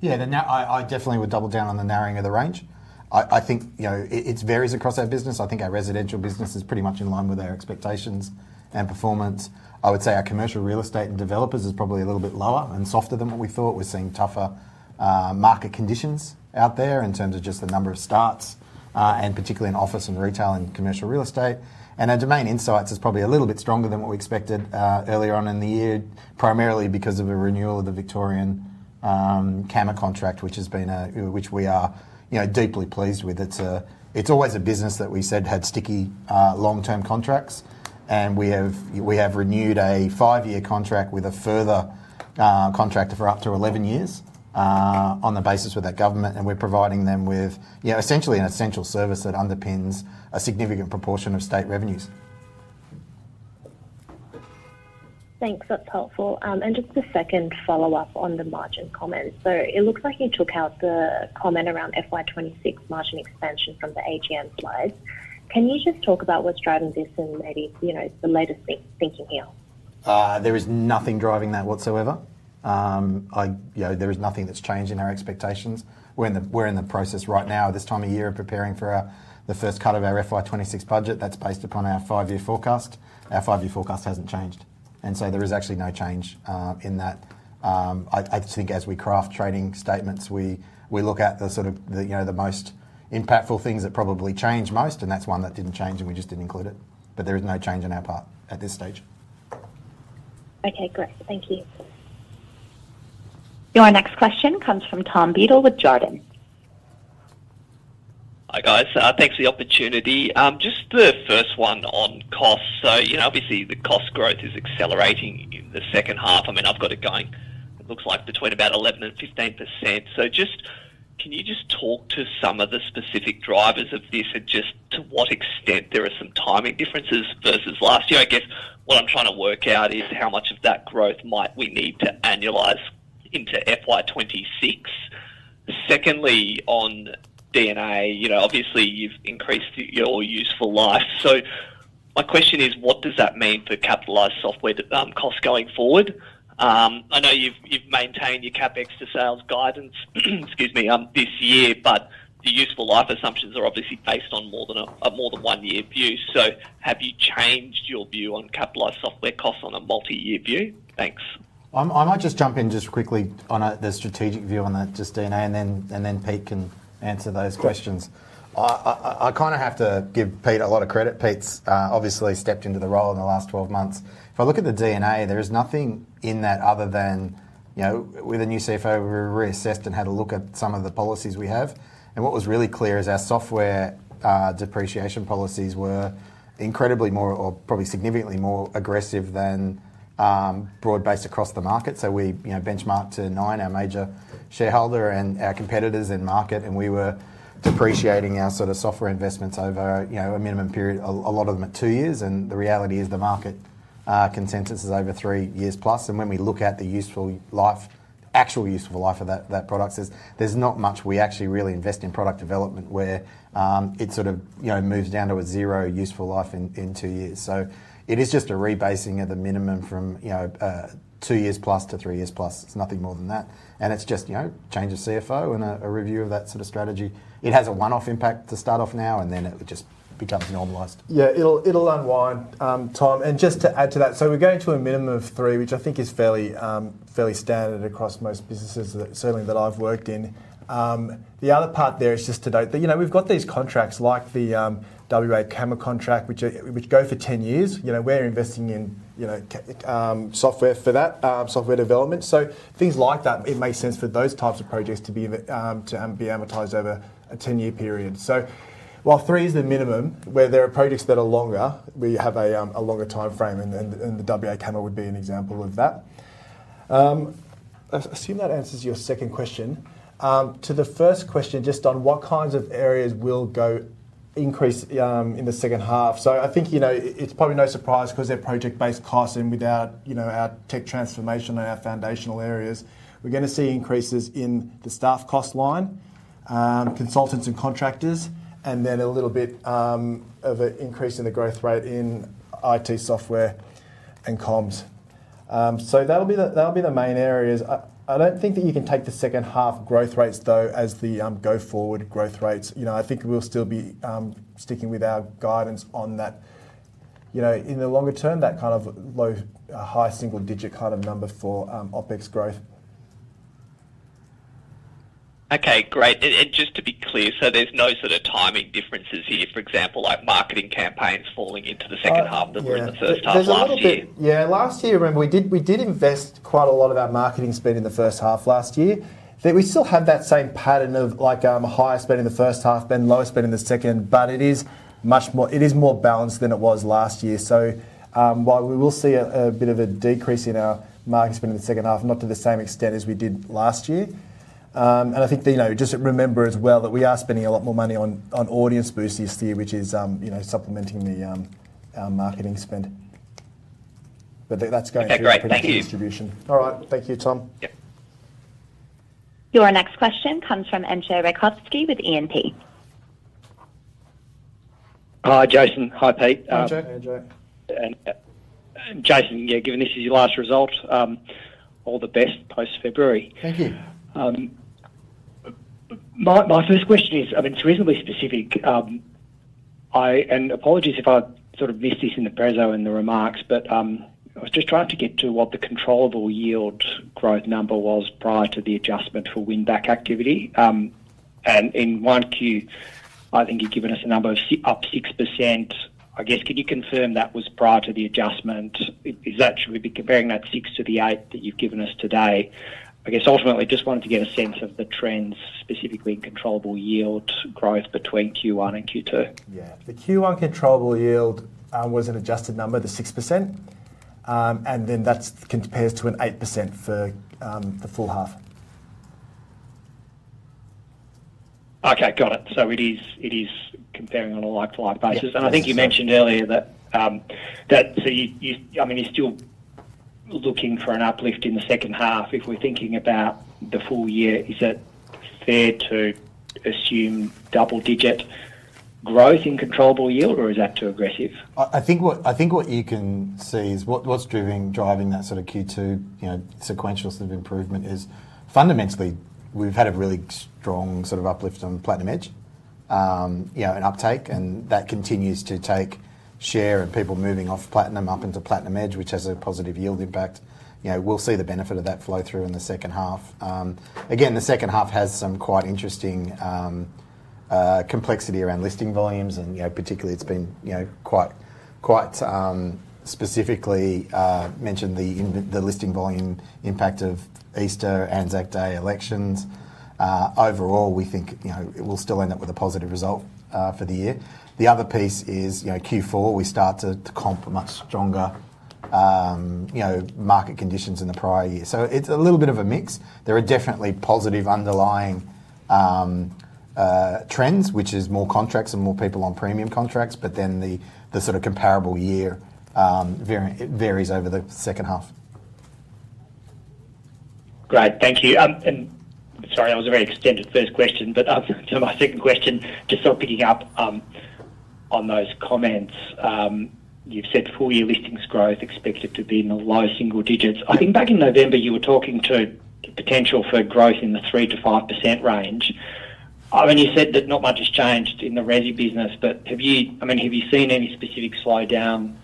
Yeah, I definitely would double down on the narrowing of the range. I think it varies across our business. I think our residential business is pretty much in line with our expectations and performance. I would say our commercial real estate and developers is probably a little bit lower and softer than what we thought. We're seeing tougher market conditions out there in terms of just the number of starts, and particularly in office and retail and commercial real estate. Our Domain Insight is probably a little bit stronger than what we expected earlier on in the year, primarily because of a renewal of the Victorian Valuer-General contract, which we are deeply pleased with. It's always a business that we said had sticky long-term contracts, and we have renewed a five-year contract with a further contractor for up to 11 years on the basis with that government, and we're providing them with essentially an essential service that underpins a significant proportion of state revenues. Thanks. That's helpful. And just a second follow-up on the margin comments. So it looks like you took out the comment around FY26 margin expansion from the AGM slides. Can you just talk about what's driving this and maybe the latest thinking here? There is nothing driving that whatsoever. There is nothing that's changed in our expectations. We're in the process right now at this time of year of preparing for the first cut of our FY26 budget that's based upon our five-year forecast. Our five-year forecast hasn't changed. And so there is actually no change in that. I just think as we craft trading statements, we look at the sort of the most impactful things that probably change most, and that's one that didn't change, and we just didn't include it. But there is no change on our part at this stage. Okay, great. Thank you. Your next question comes from Tom Beadle with Jarden. Hi, guys. Thanks for the opportunity. Just the first one on costs. So obviously, the cost growth is accelerating in the second half. I mean, I've got it going, it looks like, between about 11% and 15%. So can you just talk to some of the specific drivers of this and just to what extent there are some timing differences versus last year? I guess what I'm trying to work out is how much of that growth might we need to annualize into FY26. Secondly, on D&A, obviously, you've increased your useful life. So my question is, what does that mean for capitalized software costs going forward? I know you've maintained your CapEx to sales guidance, excuse me, this year, but the useful life assumptions are obviously based on more than a more than one-year view. So have you changed your view on capitalized software costs on a multi-year view? Thanks. I might just jump in just quickly on the strategic view on that, just D&A, and then Pete can answer those questions. I kind of have to give Pete a lot of credit. Pete's obviously stepped into the role in the last 12 months. If I look at the D&A, there is nothing in that other than with a new CFO, we reassessed and had a look at some of the policies we have. And what was really clear is our software depreciation policies were incredibly more or probably significantly more aggressive than broad-based across the market. So we benchmarked to nine, our major shareholder and our competitors in market, and we were depreciating our sort of software investments over a minimum period, a lot of them at two years. And the reality is the market consensus is over three years plus. And when we look at the actual useful life of that product, there's not much we actually really invest in product development where it sort of moves down to a zero useful life in two years. So it is just a rebasing at the minimum from two years plus to three years plus. It's nothing more than that. And it's just change of CFO and a review of that sort of strategy. It has a one-off impact to start off now, and then it just becomes normalized. Yeah, it'll unwind, Tom. And just to add to that, so we're going to a minimum of three, which I think is fairly standard across most businesses, certainly that I've worked in. The other part there is just to note that we've got these contracts like the WA CAMA contract, which go for 10 years. We're investing in software for that, software development. So things like that, it makes sense for those types of projects to be amortized over a 10-year period. So while three is the minimum, where there are projects that are longer, we have a longer time frame, and the WA camera would be an example of that. I assume that answers your second question. To the first question, just on what kinds of areas will go increase in the second half? I think it's probably no surprise because they're project-based costs, and without our tech transformation and our foundational areas, we're going to see increases in the staff cost line, consultants and contractors, and then a little bit of an increase in the growth rate in IT software and comms. That'll be the main areas. I don't think that you can take the second half growth rates, though, as the go forward growth rates. I think we'll still be sticking with our guidance on that in the longer term, that kind of low, high single digit kind of number for OpEx growth. Okay, great. Just to be clear, there's no sort of timing differences here, for example, like marketing campaigns falling into the second half that were in the first half last year? Yeah, last year, remember, we did invest quite a lot of our marketing spend in the first half last year. We still have that same pattern of higher spend in the first half, then lower spend in the second, but it is more balanced than it was last year. So while we will see a bit of a decrease in our marketing spend in the second half, not to the same extent as we did last year. And I think just remember as well that we are spending a lot more money on Audience Boost this year, which is supplementing our marketing spend. But that's going through the distribution. All right. Thank you, Tom. Your next question comes from Entcho Raykovski with E&P. Hi, Jason. Hi, Pete. Hi, Andrew. And Jason, yeah, given this is your last result, all the best post-February. Thank you. My first question is, I mean, it's reasonably specific. And apologies if I sort of missed this in the press and the remarks, but I was just trying to get to what the controllable yield growth number was prior to the adjustment for win-back activity. And in Q1, I think you've given us a number of up 6%. I guess, can you confirm that was prior to the adjustment? Should we be comparing that 6 to the 8 that you've given us today? I guess ultimately, I just wanted to get a sense of the trends, specifically in controllable yield growth between Q1 and Q2. Yeah. The Q1 controllable yield was an adjusted number, the 6%, and then that compares to an 8% for the full half. Okay, got it. So it is comparing on a like-to-like basis. I think you mentioned earlier that, I mean, you're still looking for an uplift in the second half. If we're thinking about the full year, is it fair to assume double-digit growth in controllable yield, or is that too aggressive? I think what you can see is what's driving that sort of Q2 sequential sort of improvement is fundamentally, we've had a really strong sort of uplift on Platinum Edge, an uptake, and that continues to take share of people moving off Platinum up into Platinum Edge, which has a positive yield impact. We'll see the benefit of that flow through in the second half. Again, the second half has some quite interesting complexity around listing volumes, and particularly, it's been quite specifically mentioned, the listing volume impact of Easter and Anzac Day elections. Overall, we think we'll still end up with a positive result for the year. The other piece is Q4, we start to comp much stronger market conditions in the prior year. So it's a little bit of a mix. There are definitely positive underlying trends, which is more contracts and more people on premium contracts, but then the sort of comparable year varies over the second half. Great. Thank you. And sorry, that was a very extended first question, but to my second question, just sort of picking up on those comments, you've said full-year listings growth expected to be in the low single digits. I think back in November, you were talking to potential for growth in the 3%-5% range. I mean, you said that not much has changed in the resi business, but I mean, have you seen any specific slowdown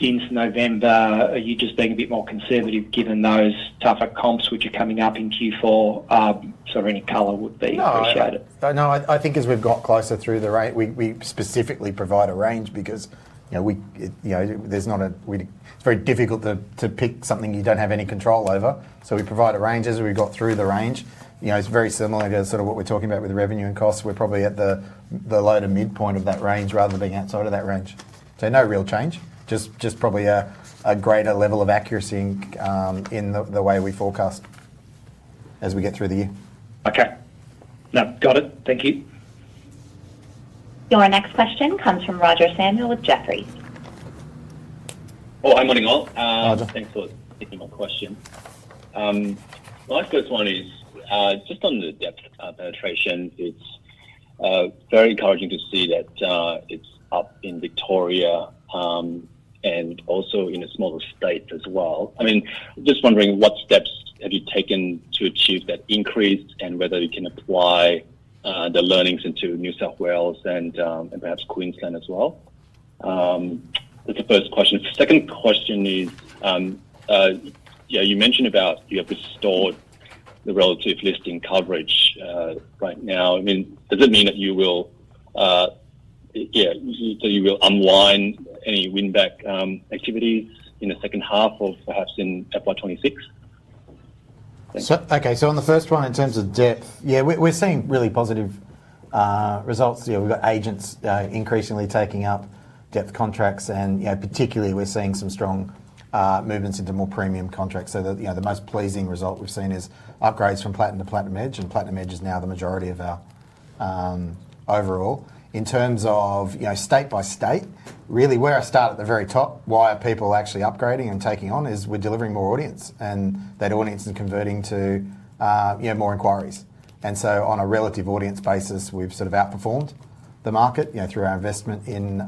since November? Are you just being a bit more conservative given those tougher comps which are coming up in Q4? So any color would be appreciated. No, I think as we've got closer through the range, we specifically provide a range because there's not a, it's very difficult to pick something you don't have any control over. So we provide a range as we've got through the range. It's very similar to sort of what we're talking about with revenue and costs. We're probably at the low to midpoint of that range rather than being outside of that range. So no real change, just probably a greater level of accuracy in the way we forecast as we get through the year. Okay. No, got it. Thank you. Your next question comes from Roger Samuel with Jefferies Oh, hi morning, all. Thanks for taking my question. My first one is just on the Depth penetration. It's very encouraging to see that it's up in Victoria and also in a smaller state as well. I mean, just wondering what steps have you taken to achieve that increase and whether you can apply the learnings into New South Wales and perhaps Queensland as well? That's the first question. Second question is, yeah, you mentioned about you have restored the relative listing coverage right now. I mean, does it mean that you will, yeah, so you will unwind any win-back activities in the second half of perhaps in FY26? Okay. So on the first one, in terms of Depth, yeah, we're seeing really positive results. We've got agents increasingly taking up Depth contracts, and particularly, we're seeing some strong movements into more premium contracts. The most pleasing result we've seen is upgrades from Platinum to Platinum Edge, and Platinum Edge is now the majority of our overall. In terms of state by state, really where I start at the very top, why are people actually upgrading and taking on is we're delivering more audience, and that audience is converting to more inquiries. And so on a relative audience basis, we've sort of outperformed the market through our investment in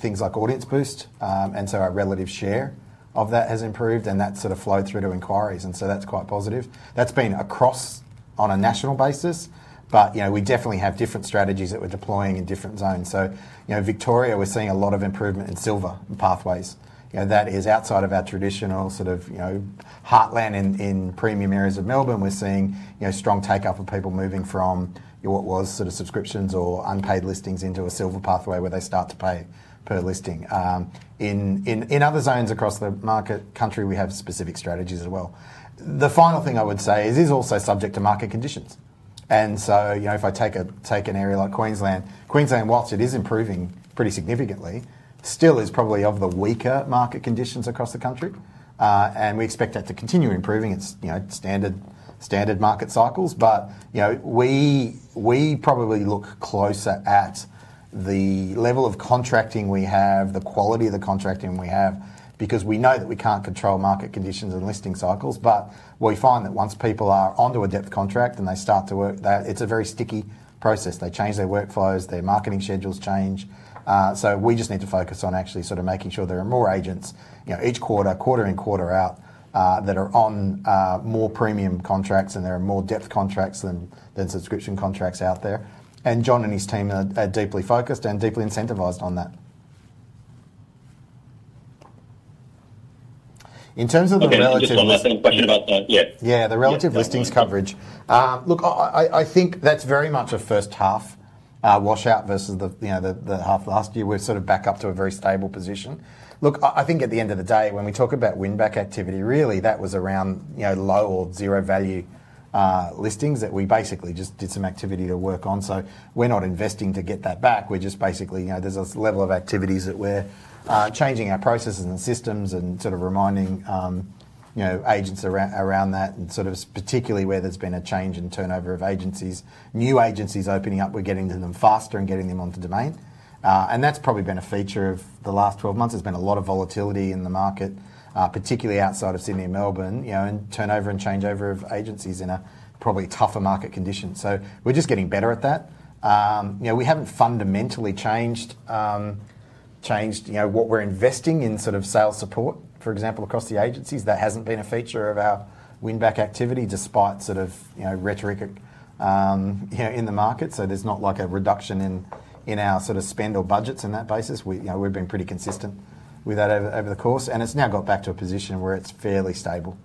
things like Audience Boost. And so our relative share of that has improved, and that's sort of flowed through to inquiries. And so that's quite positive. That's been across on a national basis, but we definitely have different strategies that we're deploying in different zones. So Victoria, we're seeing a lot of improvement in Silver pathways. That is outside of our traditional sort of heartland in premium areas of Melbourne. We're seeing strong take-up of people moving from what was sort of subscriptions or unpaid listings into a Silver pathway where they start to pay per listing. In other zones across the country, we have specific strategies as well. The final thing I would say is it's also subject to market conditions. So if I take an area like Queensland, Queensland while it is improving pretty significantly, still is probably of the weaker market conditions across the country, and we expect that to continue improving. It's standard market cycles, but we probably look closer at the level of contracting we have, the quality of the contracting we have, because we know that we can't control market conditions and listing cycles. But we find that once people are onto a Depth contract and they start to work, it's a very sticky process. They change their workflows, their marketing schedules change, so we just need to focus on actually sort of making sure there are more agents each quarter, quarter in quarter out, that are on more premium contracts and there are more Depth contracts than subscription contracts out there, and John and his team are deeply focused and deeply incentivized on that. In terms of the relative, I'm just one last question a out that. Yeah. Yeah, the relative listings coverage. Look, I think that's very much a first half washout versus the half last year. We're sort of back up to a very stable position. Look, I think at the end of the day, when we talk about win-back activity, really that was around low or zero value listings that we basically just did some activity to work on, so we're not investing to get that back. We're just basically, there's a level of activities that we're changing our processes and systems and sort of reminding agents around that, and sort of particularly where there's been a change in turnover of agencies, new agencies opening up, we're getting to them faster and getting them onto Domain, and that's probably been a feature of the last 12 months. There's been a lot of volatility in the market, particularly outside of Sydney and Melbourne, and turnover and changeover of agencies in a probably tougher market condition, so we're just getting better at that. We haven't fundamentally changed what we're investing in sort of sales support, for example, across the agencies. That hasn't been a feature of our win-back activity despite sort of rhetoric in the market, so there's not like a reduction in our sort of spend or budgets in that basis. We've been pretty consistent with that over the course, and it's now got back to a position where it's fairly stable.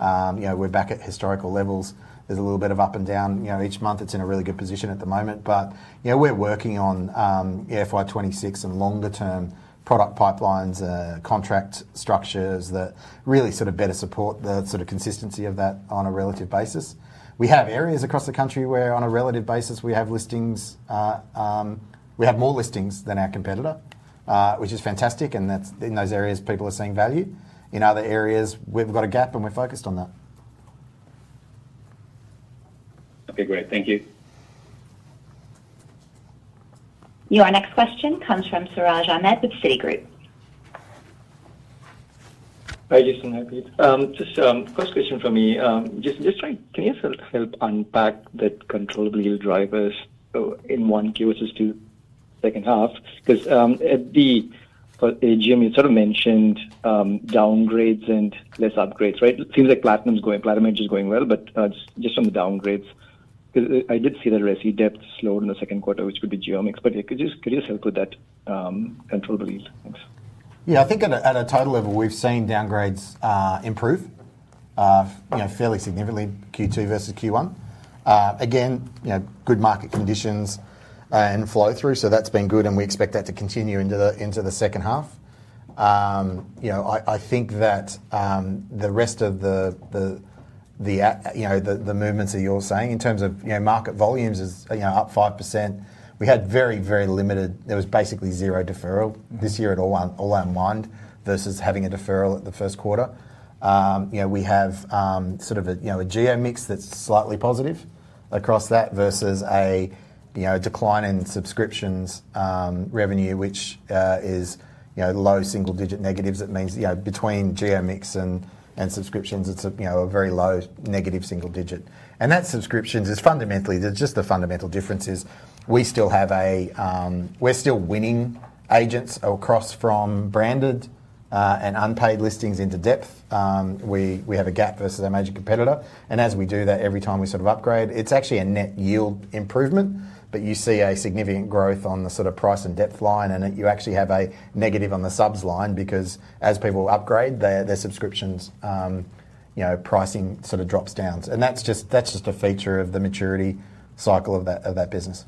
We're back at historical levels. There's a little bit of up and down each month. It's in a really good position at the moment, but we're working on FY26 and longer-term product pipelines, contract structures that really sort of better support the sort of consistency of that on a relative basis. We have areas across the country where on a relative basis, we have listings, we have more listings than our competitor, which is fantastic, and in those areas, people are seeing value. In other areas, we've got a gap, and we're focused on that. Okay, great. Thank you. Your next question comes from Siraj Ahmed with Citi. Hi, Jason. Hi, Team. Just first question for me. Jason, just can you help unpack the control drivers of Q1 versus two second half? Because at the, AGM, you sort of mentioned downgrades and less upgrades, right? It seems like Platinum's going, Platinum Edge is going well, but just on the downgrades, because I did see that residual Depth slowed in the second quarter, which would be economics. But could you just help with that controllable yield? Thanks. Yeah, I think at a total level, we've seen downgrades improve fairly significantly Q2 versus Q1. Again, good market conditions and flow through, so that's been good, and we expect that to continue into the second half. I think that the rest of the movements that you're saying in terms of market volumes is up 5%. We had very, very limited, there was basically zero deferral this year at all to unwind versus having a deferral at the first quarter. We have sort of a geo mix that's slightly positive across that versus a decline in subscriptions revenue, which is low single-digit negatives. It means between geo mix and subscriptions, it's a very low negative single digit. And that subscriptions is fundamentally. There's just the fundamental difference is we're still winning agents across from branded and unpaid listings into Depth. We have a gap versus our major competitor. And as we do that, every time we sort of upgrade, it's actually a net yield improvement, but you see a significant growth on the sort of price and Depth line, and you actually have a negative on the subs line because as people upgrade, their subscriptions pricing sort of drops down. And that's just a feature of the maturity cycle of that business.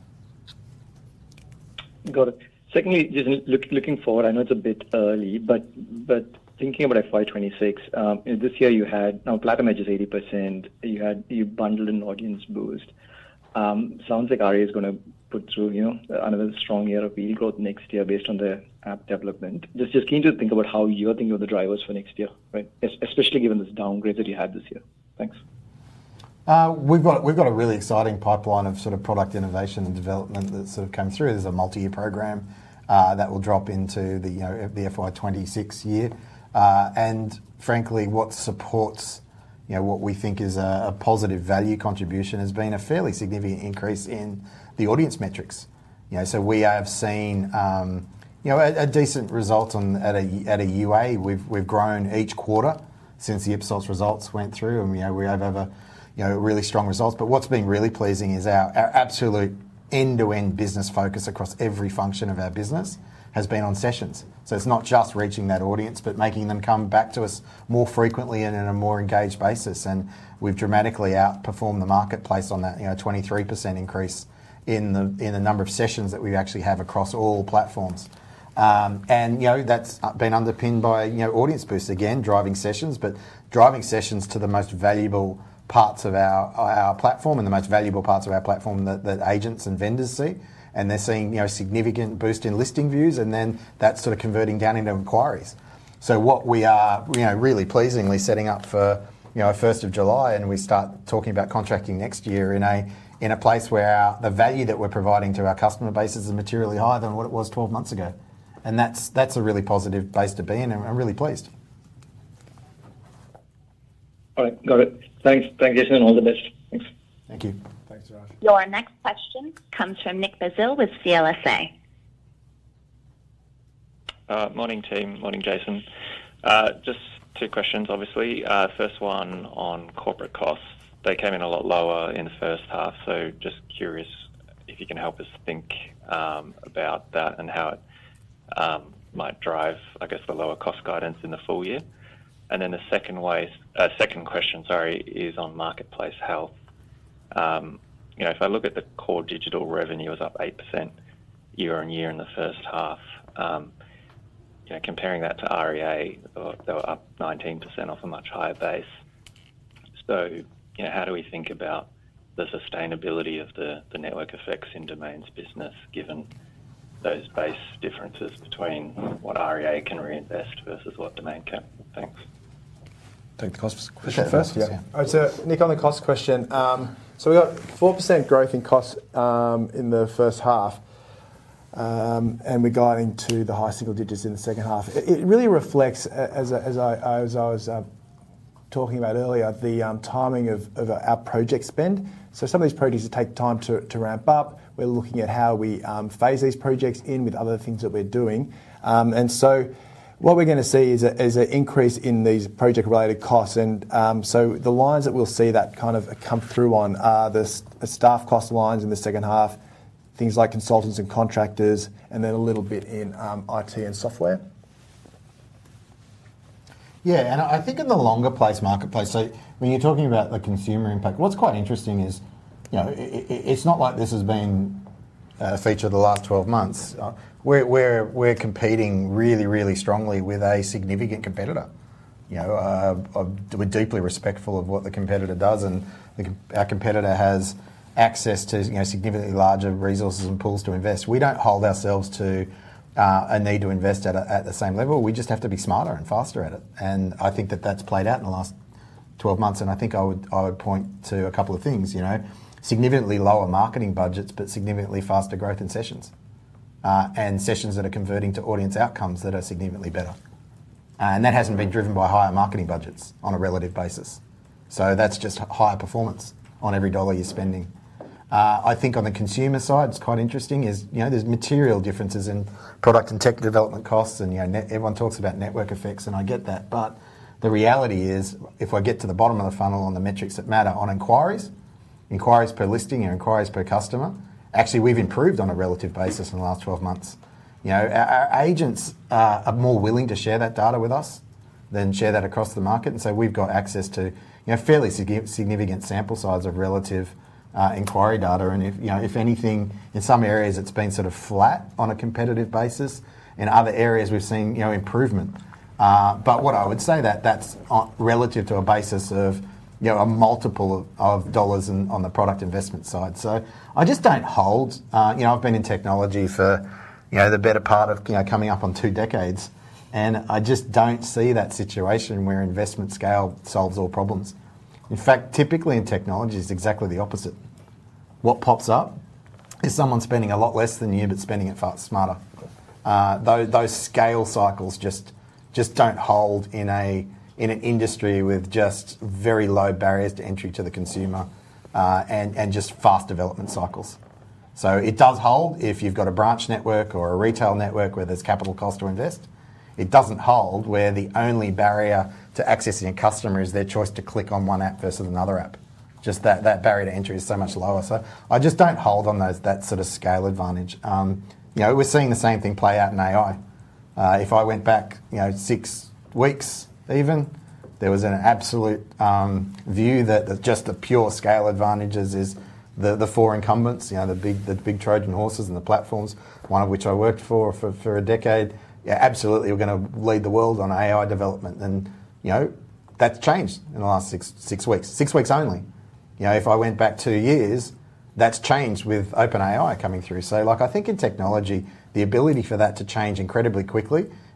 Got it. Secondly, just looking forward, I know it's a bit early, but thinking about FY26, this year you had—now Platinum Edge is 80%. You bundled an Audience Boost. Sounds like REA is going to put through another strong year of yield growth next year based on the API development. Just keen to think about how you're thinking of the drivers for next year, right? Especially given this downgrade that you had this year. Thanks. We've got a really exciting pipeline of sort of product innovation and development that's sort of come through. There's a multi-year program that will drop into the FY26 year. And frankly, what supports what we think is a positive value contribution has been a fairly significant increase in the audience metrics. So we have seen a decent result at a UA. We've grown each quarter since the Ipsos results went through, and we have had really strong results, but what's been really pleasing is our absolute end-to-end business focus across every function of our business has been on sessions. It's not just reaching that audience, but making them come back to us more frequently and in a more engaged basis. We've dramatically outperformed the marketplace on that 23% increase in the number of sessions that we actually have across all platforms. That's been underpinned by Audience Boost, again, driving sessions, but driving sessions to the most valuable parts of our platform and the most valuable parts of our platform that agents and vendors see. They're seeing a significant boost in listing views, and then that's sort of converting down into inquiries. So, what we are really pleasingly setting up for 1 July, and we start talking about contracting next year in a place where the value that we're providing to our customer base is materially higher than what it was 12 months ago. And that's a really positive base to be, and I'm really pleased. All right. Got it. Thanks, Jason. All the best. Thanks. Thank you. Thanks, Siraj. Your next question come from Nick Basile with CLSA. Morning, team. Morning, Jason. Just two questions, obviously. First one on corporate costs. They came in a lot lower in the first half, so just curious if you can help us think about that and how it might drive, I guess, the lower cost guidance in the full year. And then the second question, sorry, is on marketplace health. If I look at the core digital revenue, it was up 8% year on year in the first half. Comparing that to REA, they were up 19% off a much higher base. So how do we think about the sustainability of the network effects in Domain's business given those base differences between what REA can reinvest versus what Domain can? Thanks. Thanks. Cost question first. Yeah. All right. So Nick, on the cost question, so we got 4% growth in costs in the first half, and we're guiding to the high single digits in the second half. It really reflects, as I was talking about earlier, the timing of our project spend. So some of these projects take time to ramp up. We're looking at how we phase these projects in with other things that we're doing. And so what we're going to see is an increase in these project-related costs. And so the lines that we'll see that kind of come through on are the staff cost lines in the second half, things like consultants and contractors, and then a little bit in IT and software. Yeah. And I think in the longer-term marketplace, so when you're talking about the consumer impact, what's quite interesting is it's not like this has been a feature of the last 12 months. We're competing really, really strongly with a significant competitor. We're deeply respectful of what the competitor does, and our competitor has access to significantly larger resources and pools to invest. We don't hold ourselves to a need to invest at the same level. We just have to be smarter and faster at it. And I think that that's played out in the last 12 months. I think I would point to a couple of things: significantly lower marketing budgets, but significantly faster growth in sessions, and sessions that are converting to audience outcomes that are significantly better. That hasn't been driven by higher marketing budgets on a relative basis. That's just higher performance on every dollar you're spending. I think on the consumer side, it's quite interesting. There's material differences in product and tech development costs, and everyone talks about network effects, and I get that. But the reality is, if I get to the bottom of the funnel on the metrics that matter on inquiries, inquiries per listing or inquiries per customer, actually, we've improved on a relative basis in the last 12 months. Our agents are more willing to share that data with us than share that across the market. And so we've got access to fairly significant sample size of relative inquiry data. And if anything, in some areas, it's been sort of flat on a competitive basis. In other areas, we've seen improvement. But what I would say, that's relative to a basis of a multiple of dollars on the product investment side. So I just don't hold. I've been in technology for the better part of coming up on two decades, and I just don't see that situation where investment scale solves all problems. In fact, typically in technology, it's exactly the opposite. What pops up is someone spending a lot less than you, but spending it smarter. Those scale cycles just don't hold in an industry with just very low barriers to entry to the consumer and just fast development cycles. So it does hold if you've got a branch network or a retail network where there's capital cost to invest. It doesn't hold where the only barrier to accessing a customer is their choice to click on one app versus another app. Just that barrier to entry is so much lower. So I just don't hold on that sort of scale advantage. We're seeing the same thing play out in AI. If I went back six weeks even, there was an absolute view that just the pure scale advantages is the four incumbents, the big Trojan horses and the platforms, one of which I worked for for a decade, absolutely were going to lead the world on AI development. And that's changed in the last six weeks. Six weeks only. If I went back two years, that's changed with OpenAI coming through. I think in technology,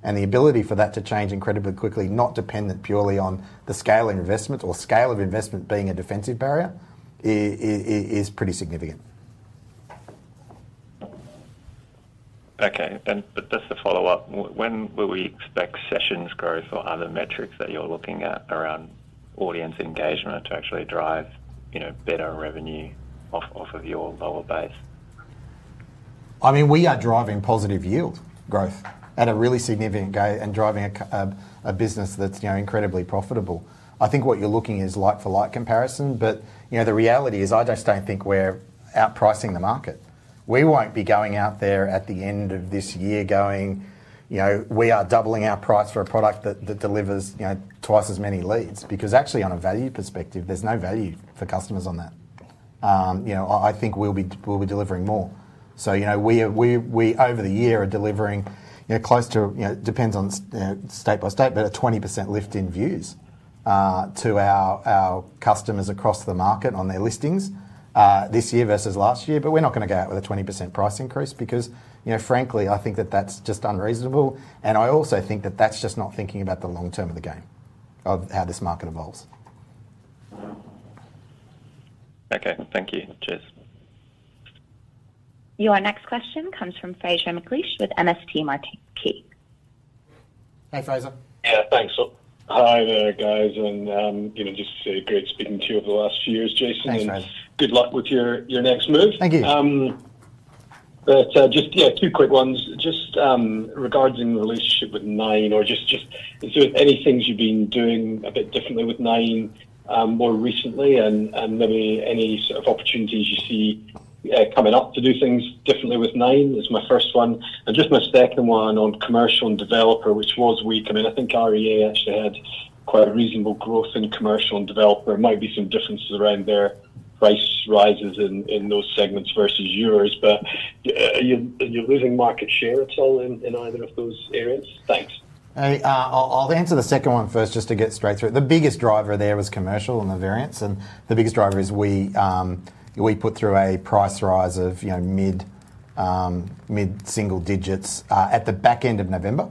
the ability for that to change incredibly quickly, not dependent purely on the scale of investment being a defensive barrier, is pretty significant. Okay, and just to follow up, when will we expect sessions growth or other metrics that you're looking at around audience engagement to actually drive better revenue off of your lower base? I mean, we are driving positive yield growth at a really significant rate and driving a business that's incredibly profitable. I think what you're looking is like-for-like comparison, but the reality is I just don't think we're outpricing the market. We won't be going out there at the end of this year going, "We are doubling our price for a product that delivers twice as many leads," because actually, on a value perspective, there's no value for customers on that. I think we'll be delivering more. So we, over the year, are delivering close to, it depends on state by state, but a 20% lift in views to our customers across the market on their listings this year versus last year. But we're not going to go out with a 20% price increase because, frankly, I think that that's just unreasonable, and I also think that that's just not thinking about the long term of the game of how this market evolves. Okay. Thank you. Cheers. Your next question comes from Fraser McLeish with MST Marquee. Hey, Fraser. Yeah. Thanks. Hi there, guys. And just great speaking to you over the last few years, Jason. Thanks, guys. And good luck with your next move. Thank you. But just, yeah, two quick ones. Just regarding the relationship with Nine, or just is there any things you've been doing a bit differently with Nine more recently? And maybe any sort of opportunities you see coming up to do things differently with Nine is my first one. And just my second one on commercial and developer, which was weak. I mean, I think REA actually had quite a reasonable growth in commercial and developer. There might be some differences around their price rises in those segments versus yours. But you're losing market share at all in either of those areas? Thanks. I'll answer the second one first just to get straight through it. The biggest driver there was commercial and the variants. The biggest driver is we put through a price rise of mid-single digits at the back end of November.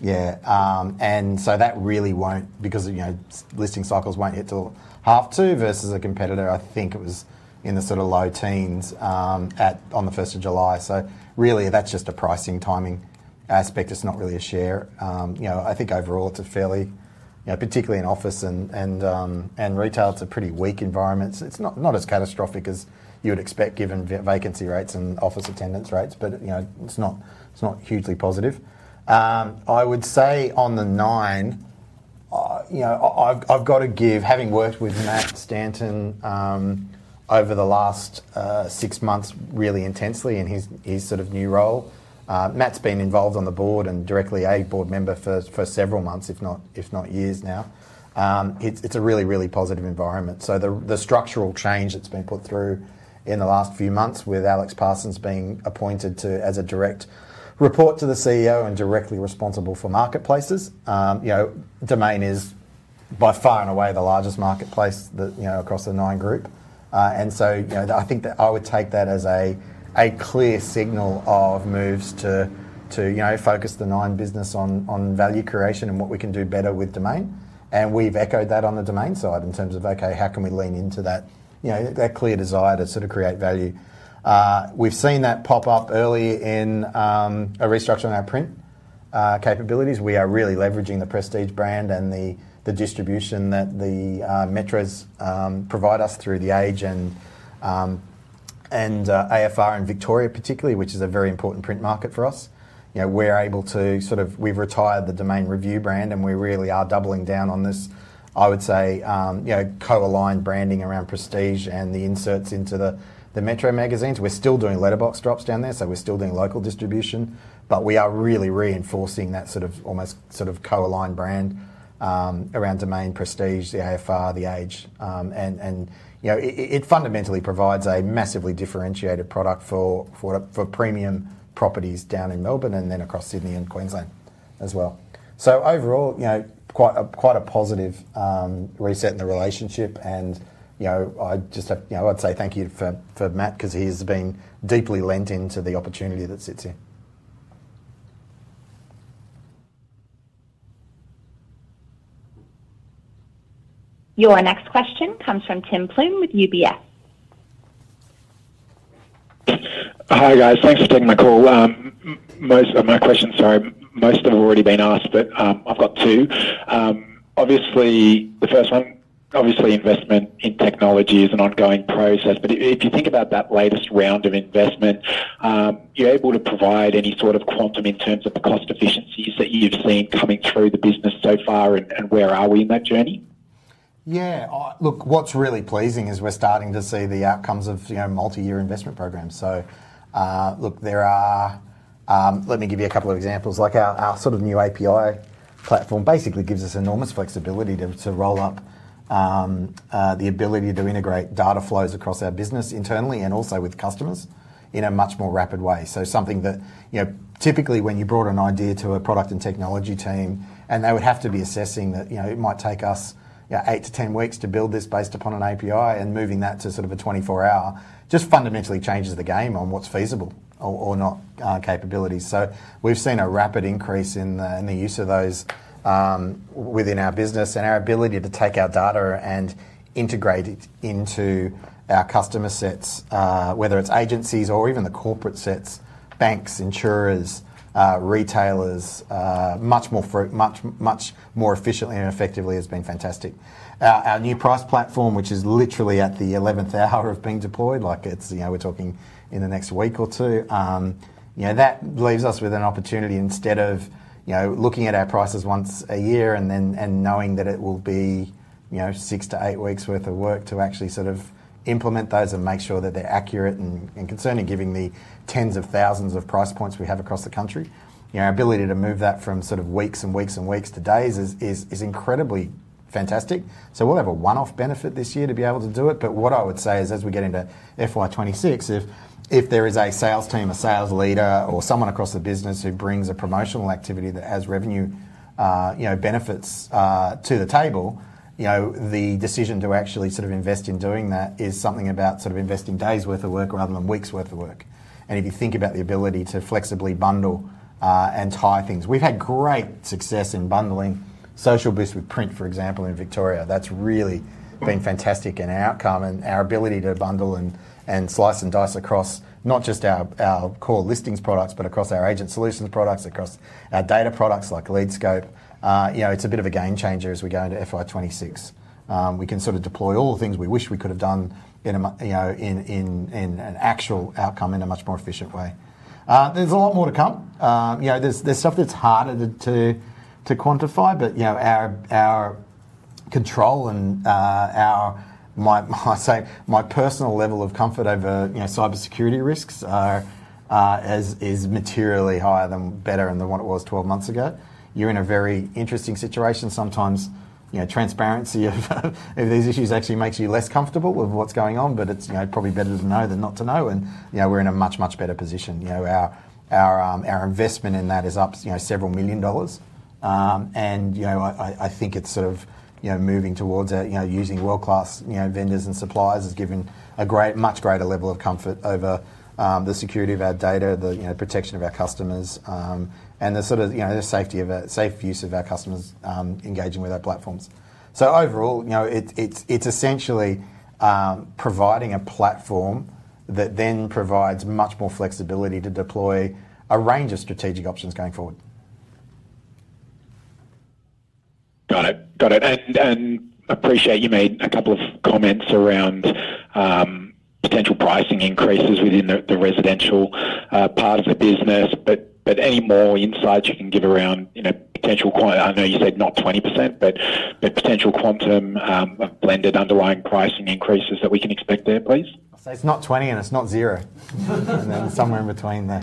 Yeah. That really won't because listing cycles won't hit till half two versus a competitor. I think it was in the sort of low teens on the 1 July. Really, that's just a pricing timing aspect. It's not really a share. I think overall, it's a fairly, particularly in office and retail, it's a pretty weak environment. It's not as catastrophic as you would expect given vacancy rates and office attendance rates, but it's not hugely positive. I would say on the Nine. I've got to give, having worked with Matt Stanton over the last six months really intensely in his sort of new role. Matt's been involved on the board and directly a board member for several months, if not years now. It's a really, really positive environment. So the structural change that's been put through in the last few months with Alex Parsons being appointed as a direct report to the CEO and directly responsible for marketplaces, Domain is by far and away the largest marketplace across the Nine Group. And so I think that I would take that as a clear signal of moves to focus the Nine business on value creation and what we can do better with Domain. And we've echoed that on the Domain side in terms of, okay, how can we lean into that clear desire to sort of create value? We've seen that pop up early in a restructuring our print capabilities. We are really leveraging the Prestige brand and the distribution that the metros provide us through The Age and AFR and Victoria, particularly, which is a very important print market for us. We're able to sort of. We've retired the Domain Review brand, and we really are doubling down on this, I would say, co-aligned branding around Prestige and the inserts into the Metro magazines. We're still doing letterbox drops down there, so we're still doing local distribution, but we are really reinforcing that sort of almost sort of co-aligned brand around Domain, Prestige, the AFR, The Age. It fundamentally provides a massively differentiated product for premium properties down in Melbourne and then across Sydney and Queensland as well. So overall, quite a positive reset in the relationship. I just have. I'd say thank you for Matt because he has been deeply leaned into the opportunity that sits here. Your next question comes from Tim Plumbe with UBS. Hi, guys. Thanks for taking my call. Most of my questions, sorry, most have already been asked, but I've got two. Obviously, the first one, obviously, investment in technology is an ongoing process. But if you think about that latest round of investment, you're able to provide any sort of quantum in terms of the cost efficiencies that you've seen coming through the business so far, and where are we in that journey? Yeah. Look, what's really pleasing is we're starting to see the outcomes of multi-year investment programs. So look, there are, let me give you a couple of examples. Our sort of new API platform basically gives us enormous flexibility to roll up the ability to integrate data flows across our business internally and also with customers in a much more rapid way. So, something that typically, when you brought an idea to a product and technology team, and they would have to be assessing that it might take us eight to 10 weeks to build this based upon an API, and moving that to sort of a 24-hour just fundamentally changes the game on what's feasible or not capabilities. So, we've seen a rapid increase in the use of those within our business and our ability to take our data and integrate it into our customer sets, whether it's agencies or even the corporate sets, banks, insurers, retailers, much more efficiently and effectively has been fantastic. Our new price platform, which is literally at the 11th hour of being deployed, like we're talking in the next week or two, that leaves us with an opportunity instead of looking at our prices once a year and knowing that it will be six to eight weeks' worth of work to actually sort of implement those and make sure that they're accurate and concerning, given the tens of thousands of price points we have across the country. Our ability to move that from sort of weeks and weeks and weeks to days is incredibly fantastic. So we'll have a one-off benefit this year to be able to do it. But what I would say is, as we get into FY26, if there is a sales team, a sales leader, or someone across the business who brings a promotional activity that has revenue benefits to the table, the decision to actually sort of invest in doing that is something about sort of investing days' worth of work rather than weeks' worth of work. And if you think about the ability to flexibly bundle and tie things, we've had great success in bundling Social Boost with print, for example, in Victoria. That's really been fantastic in our outcome and our ability to bundle and slice and dice across not just our core listings products, but across our agent solutions products, across our data products like LeadScope. It's a bit of a game changer as we go into FY26. We can sort of deploy all the things we wish we could have done in an actual outcome in a much more efficient way. There's a lot more to come. There's stuff that's harder to quantify, but our control and, I might say, my personal level of comfort over cybersecurity risks is materially higher, better than what it was 12 months ago. You're in a very interesting situation. Sometimes transparency of these issues actually makes you less comfortable with what's going on, but it's probably better to know than not to know. And we're in a much, much better position. Our investment in that is up several million dollars. And I think it's sort of moving towards using world-class vendors and suppliers has given a much greater level of comfort over the security of our data, the protection of our customers, and the sort of safe use of our customers engaging with our platforms. So overall, it's essentially providing a platform that then provides much more flexibility to deploy a range of strategic options going forward. Got it. Got it. And I appreciate you made a couple of comments around potential pricing increases within the residential part of the business, but any more insights you can give around potential quantum? I know you said not 20%, but potential quantum of blended underlying pricing increases that we can expect there, please? I'll say it's not 20 and it's not zero. And then somewhere in between there.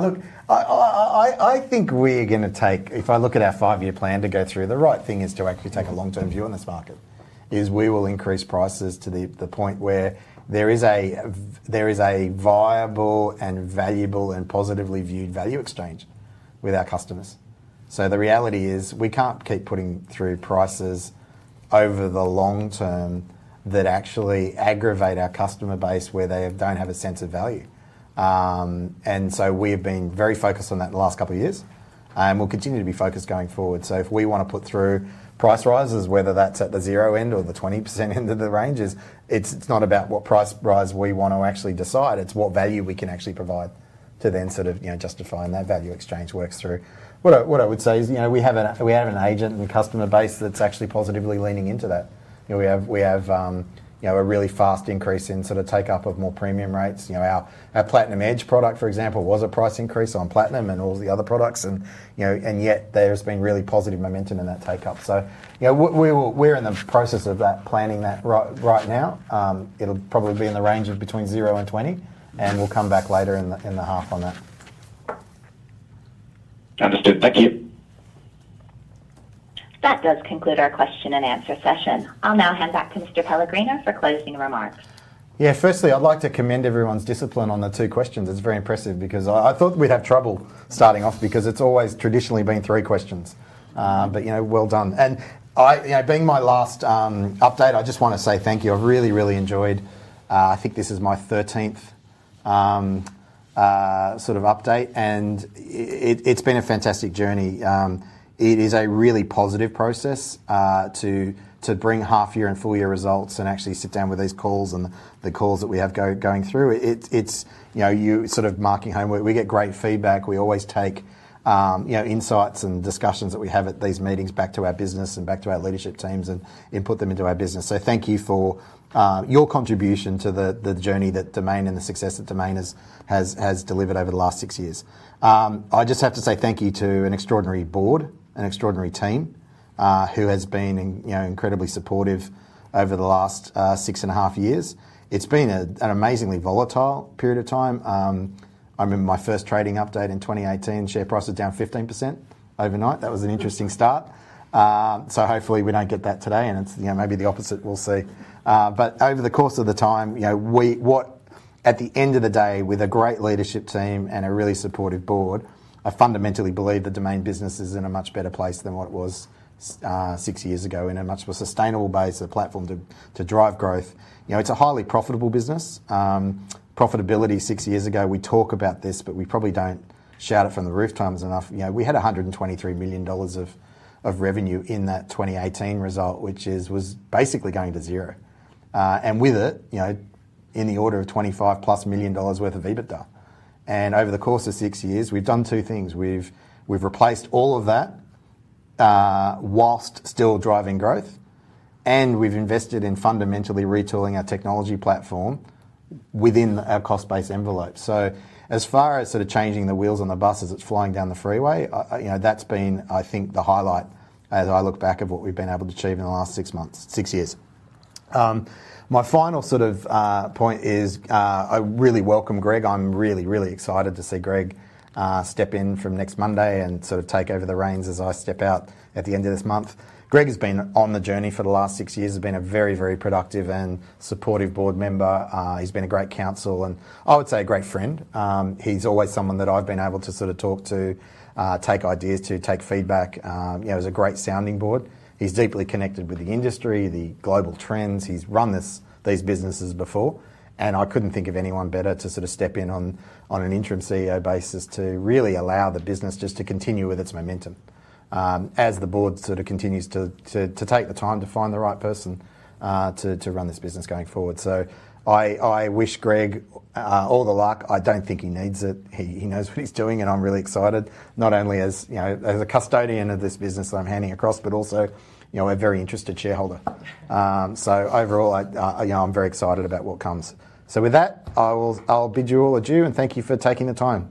Look, I think we're going to take, if I look at our five-year plan to go through, the right thing is to actually take a long-term view on this market is we will increase prices to the point where there is a viable and valuable and positively viewed value exchange with our customers. So the reality is we can't keep putting through prices over the long term that actually aggravate our customer base where they don't have a sense of value. And so we have been very focused on that the last couple of years and will continue to be focused going forward. So if we want to put through price rises, whether that's at the zero end or the 20% end of the ranges, it's not about what price rise we want to actually decide. It's what value we can actually provide to then sort of justify and that value exchange works through. What I would say is we have an agent and customer base that's actually positively leaning into that. We have a really fast increase in sort of take-up of more premium rates. Our Platinum Edge product, for example, was a price increase on Platinum and all the other products, and yet there has been really positive momentum in that take-up. So we're in the process of that planning that right now. It'll probably be in the range of between zero and 20, and we'll come back later in the half on that. Understood. Thank you. That does conclude our question and answer session. I'll now hand back to Mr. Pellegrino for closing remarks. Yeah. Firstly, I'd like to commend everyone's discipline on the two questions. It's very impressive because I thought we'd have trouble starting off because it's always traditionally been three questions. But well done. And being my last update, I just want to say thank you. I've really, really enjoyed. I think this is my 13th sort of update, and it's been a fantastic journey. It is a really positive process to bring half-year and full-year results and actually sit down with these calls and the calls that we have going through. It's sort of marking home. We get great feedback. We always take insights and discussions that we have at these meetings back to our business and back to our leadership teams and input them into our business. So thank you for your contribution to the journey that Domain and the success that Domain has delivered over the last six years. I just have to say thank you to an extraordinary board, an extraordinary team who has been incredibly supportive over the last six and a half years. It's been an amazingly volatile period of time. I remember my first trading update in 2018, share prices down 15% overnight. That was an interesting start, so hopefully we don't get that today, and it's maybe the opposite. We'll see, but over the course of the time, at the end of the day, with a great leadership team and a really supportive board, I fundamentally believe the Domain business is in a much better place than what it was six years ago in a much more sustainable base, a platform to drive growth. It's a highly profitable business. Profitability six years ago, we talk about this, but we probably don't shout it from the rooftops enough. We had $ 123 million of revenue in that 2018 result, which was basically going to zero. And with it, in the order of $ 25 plus million worth of EBITDA. And over the course of six years, we've done two things. We've replaced all of that whilst still driving growth, and we've invested in fundamentally retooling our technology platform within our cost-based envelope. So as far as sort of changing the wheels on the bus as it's flying down the freeway, that's been, I think, the highlight as I look back at what we've been able to achieve in the last six months, six years. My final sort of point is I really welcome Greg. I'm really, really excited to see Greg step in from next Monday and sort of take over the reins as I step out at the end of this month. Greg has been on the journey for the last six years. He's been a very, very productive and supportive board member. He's been a great counsel and I would say a great friend. He's always someone that I've been able to sort of talk to, take ideas to, take feedback. He's a great sounding board. He's deeply connected with the industry, the global trends. He's run these businesses before, and I couldn't think of anyone better to sort of step in on an interim CEO basis to really allow the business just to continue with its momentum as the board sort of continues to take the time to find the right person to run this business going forward. So I wish Greg all the luck. I don't think he needs it. He knows what he's doing, and I'm really excited, not only as a custodian of this business that I'm handing across, but also a very interested shareholder. So overall, I'm very excited about what comes. So with that, I'll bid you all adieu and thank you for taking the time.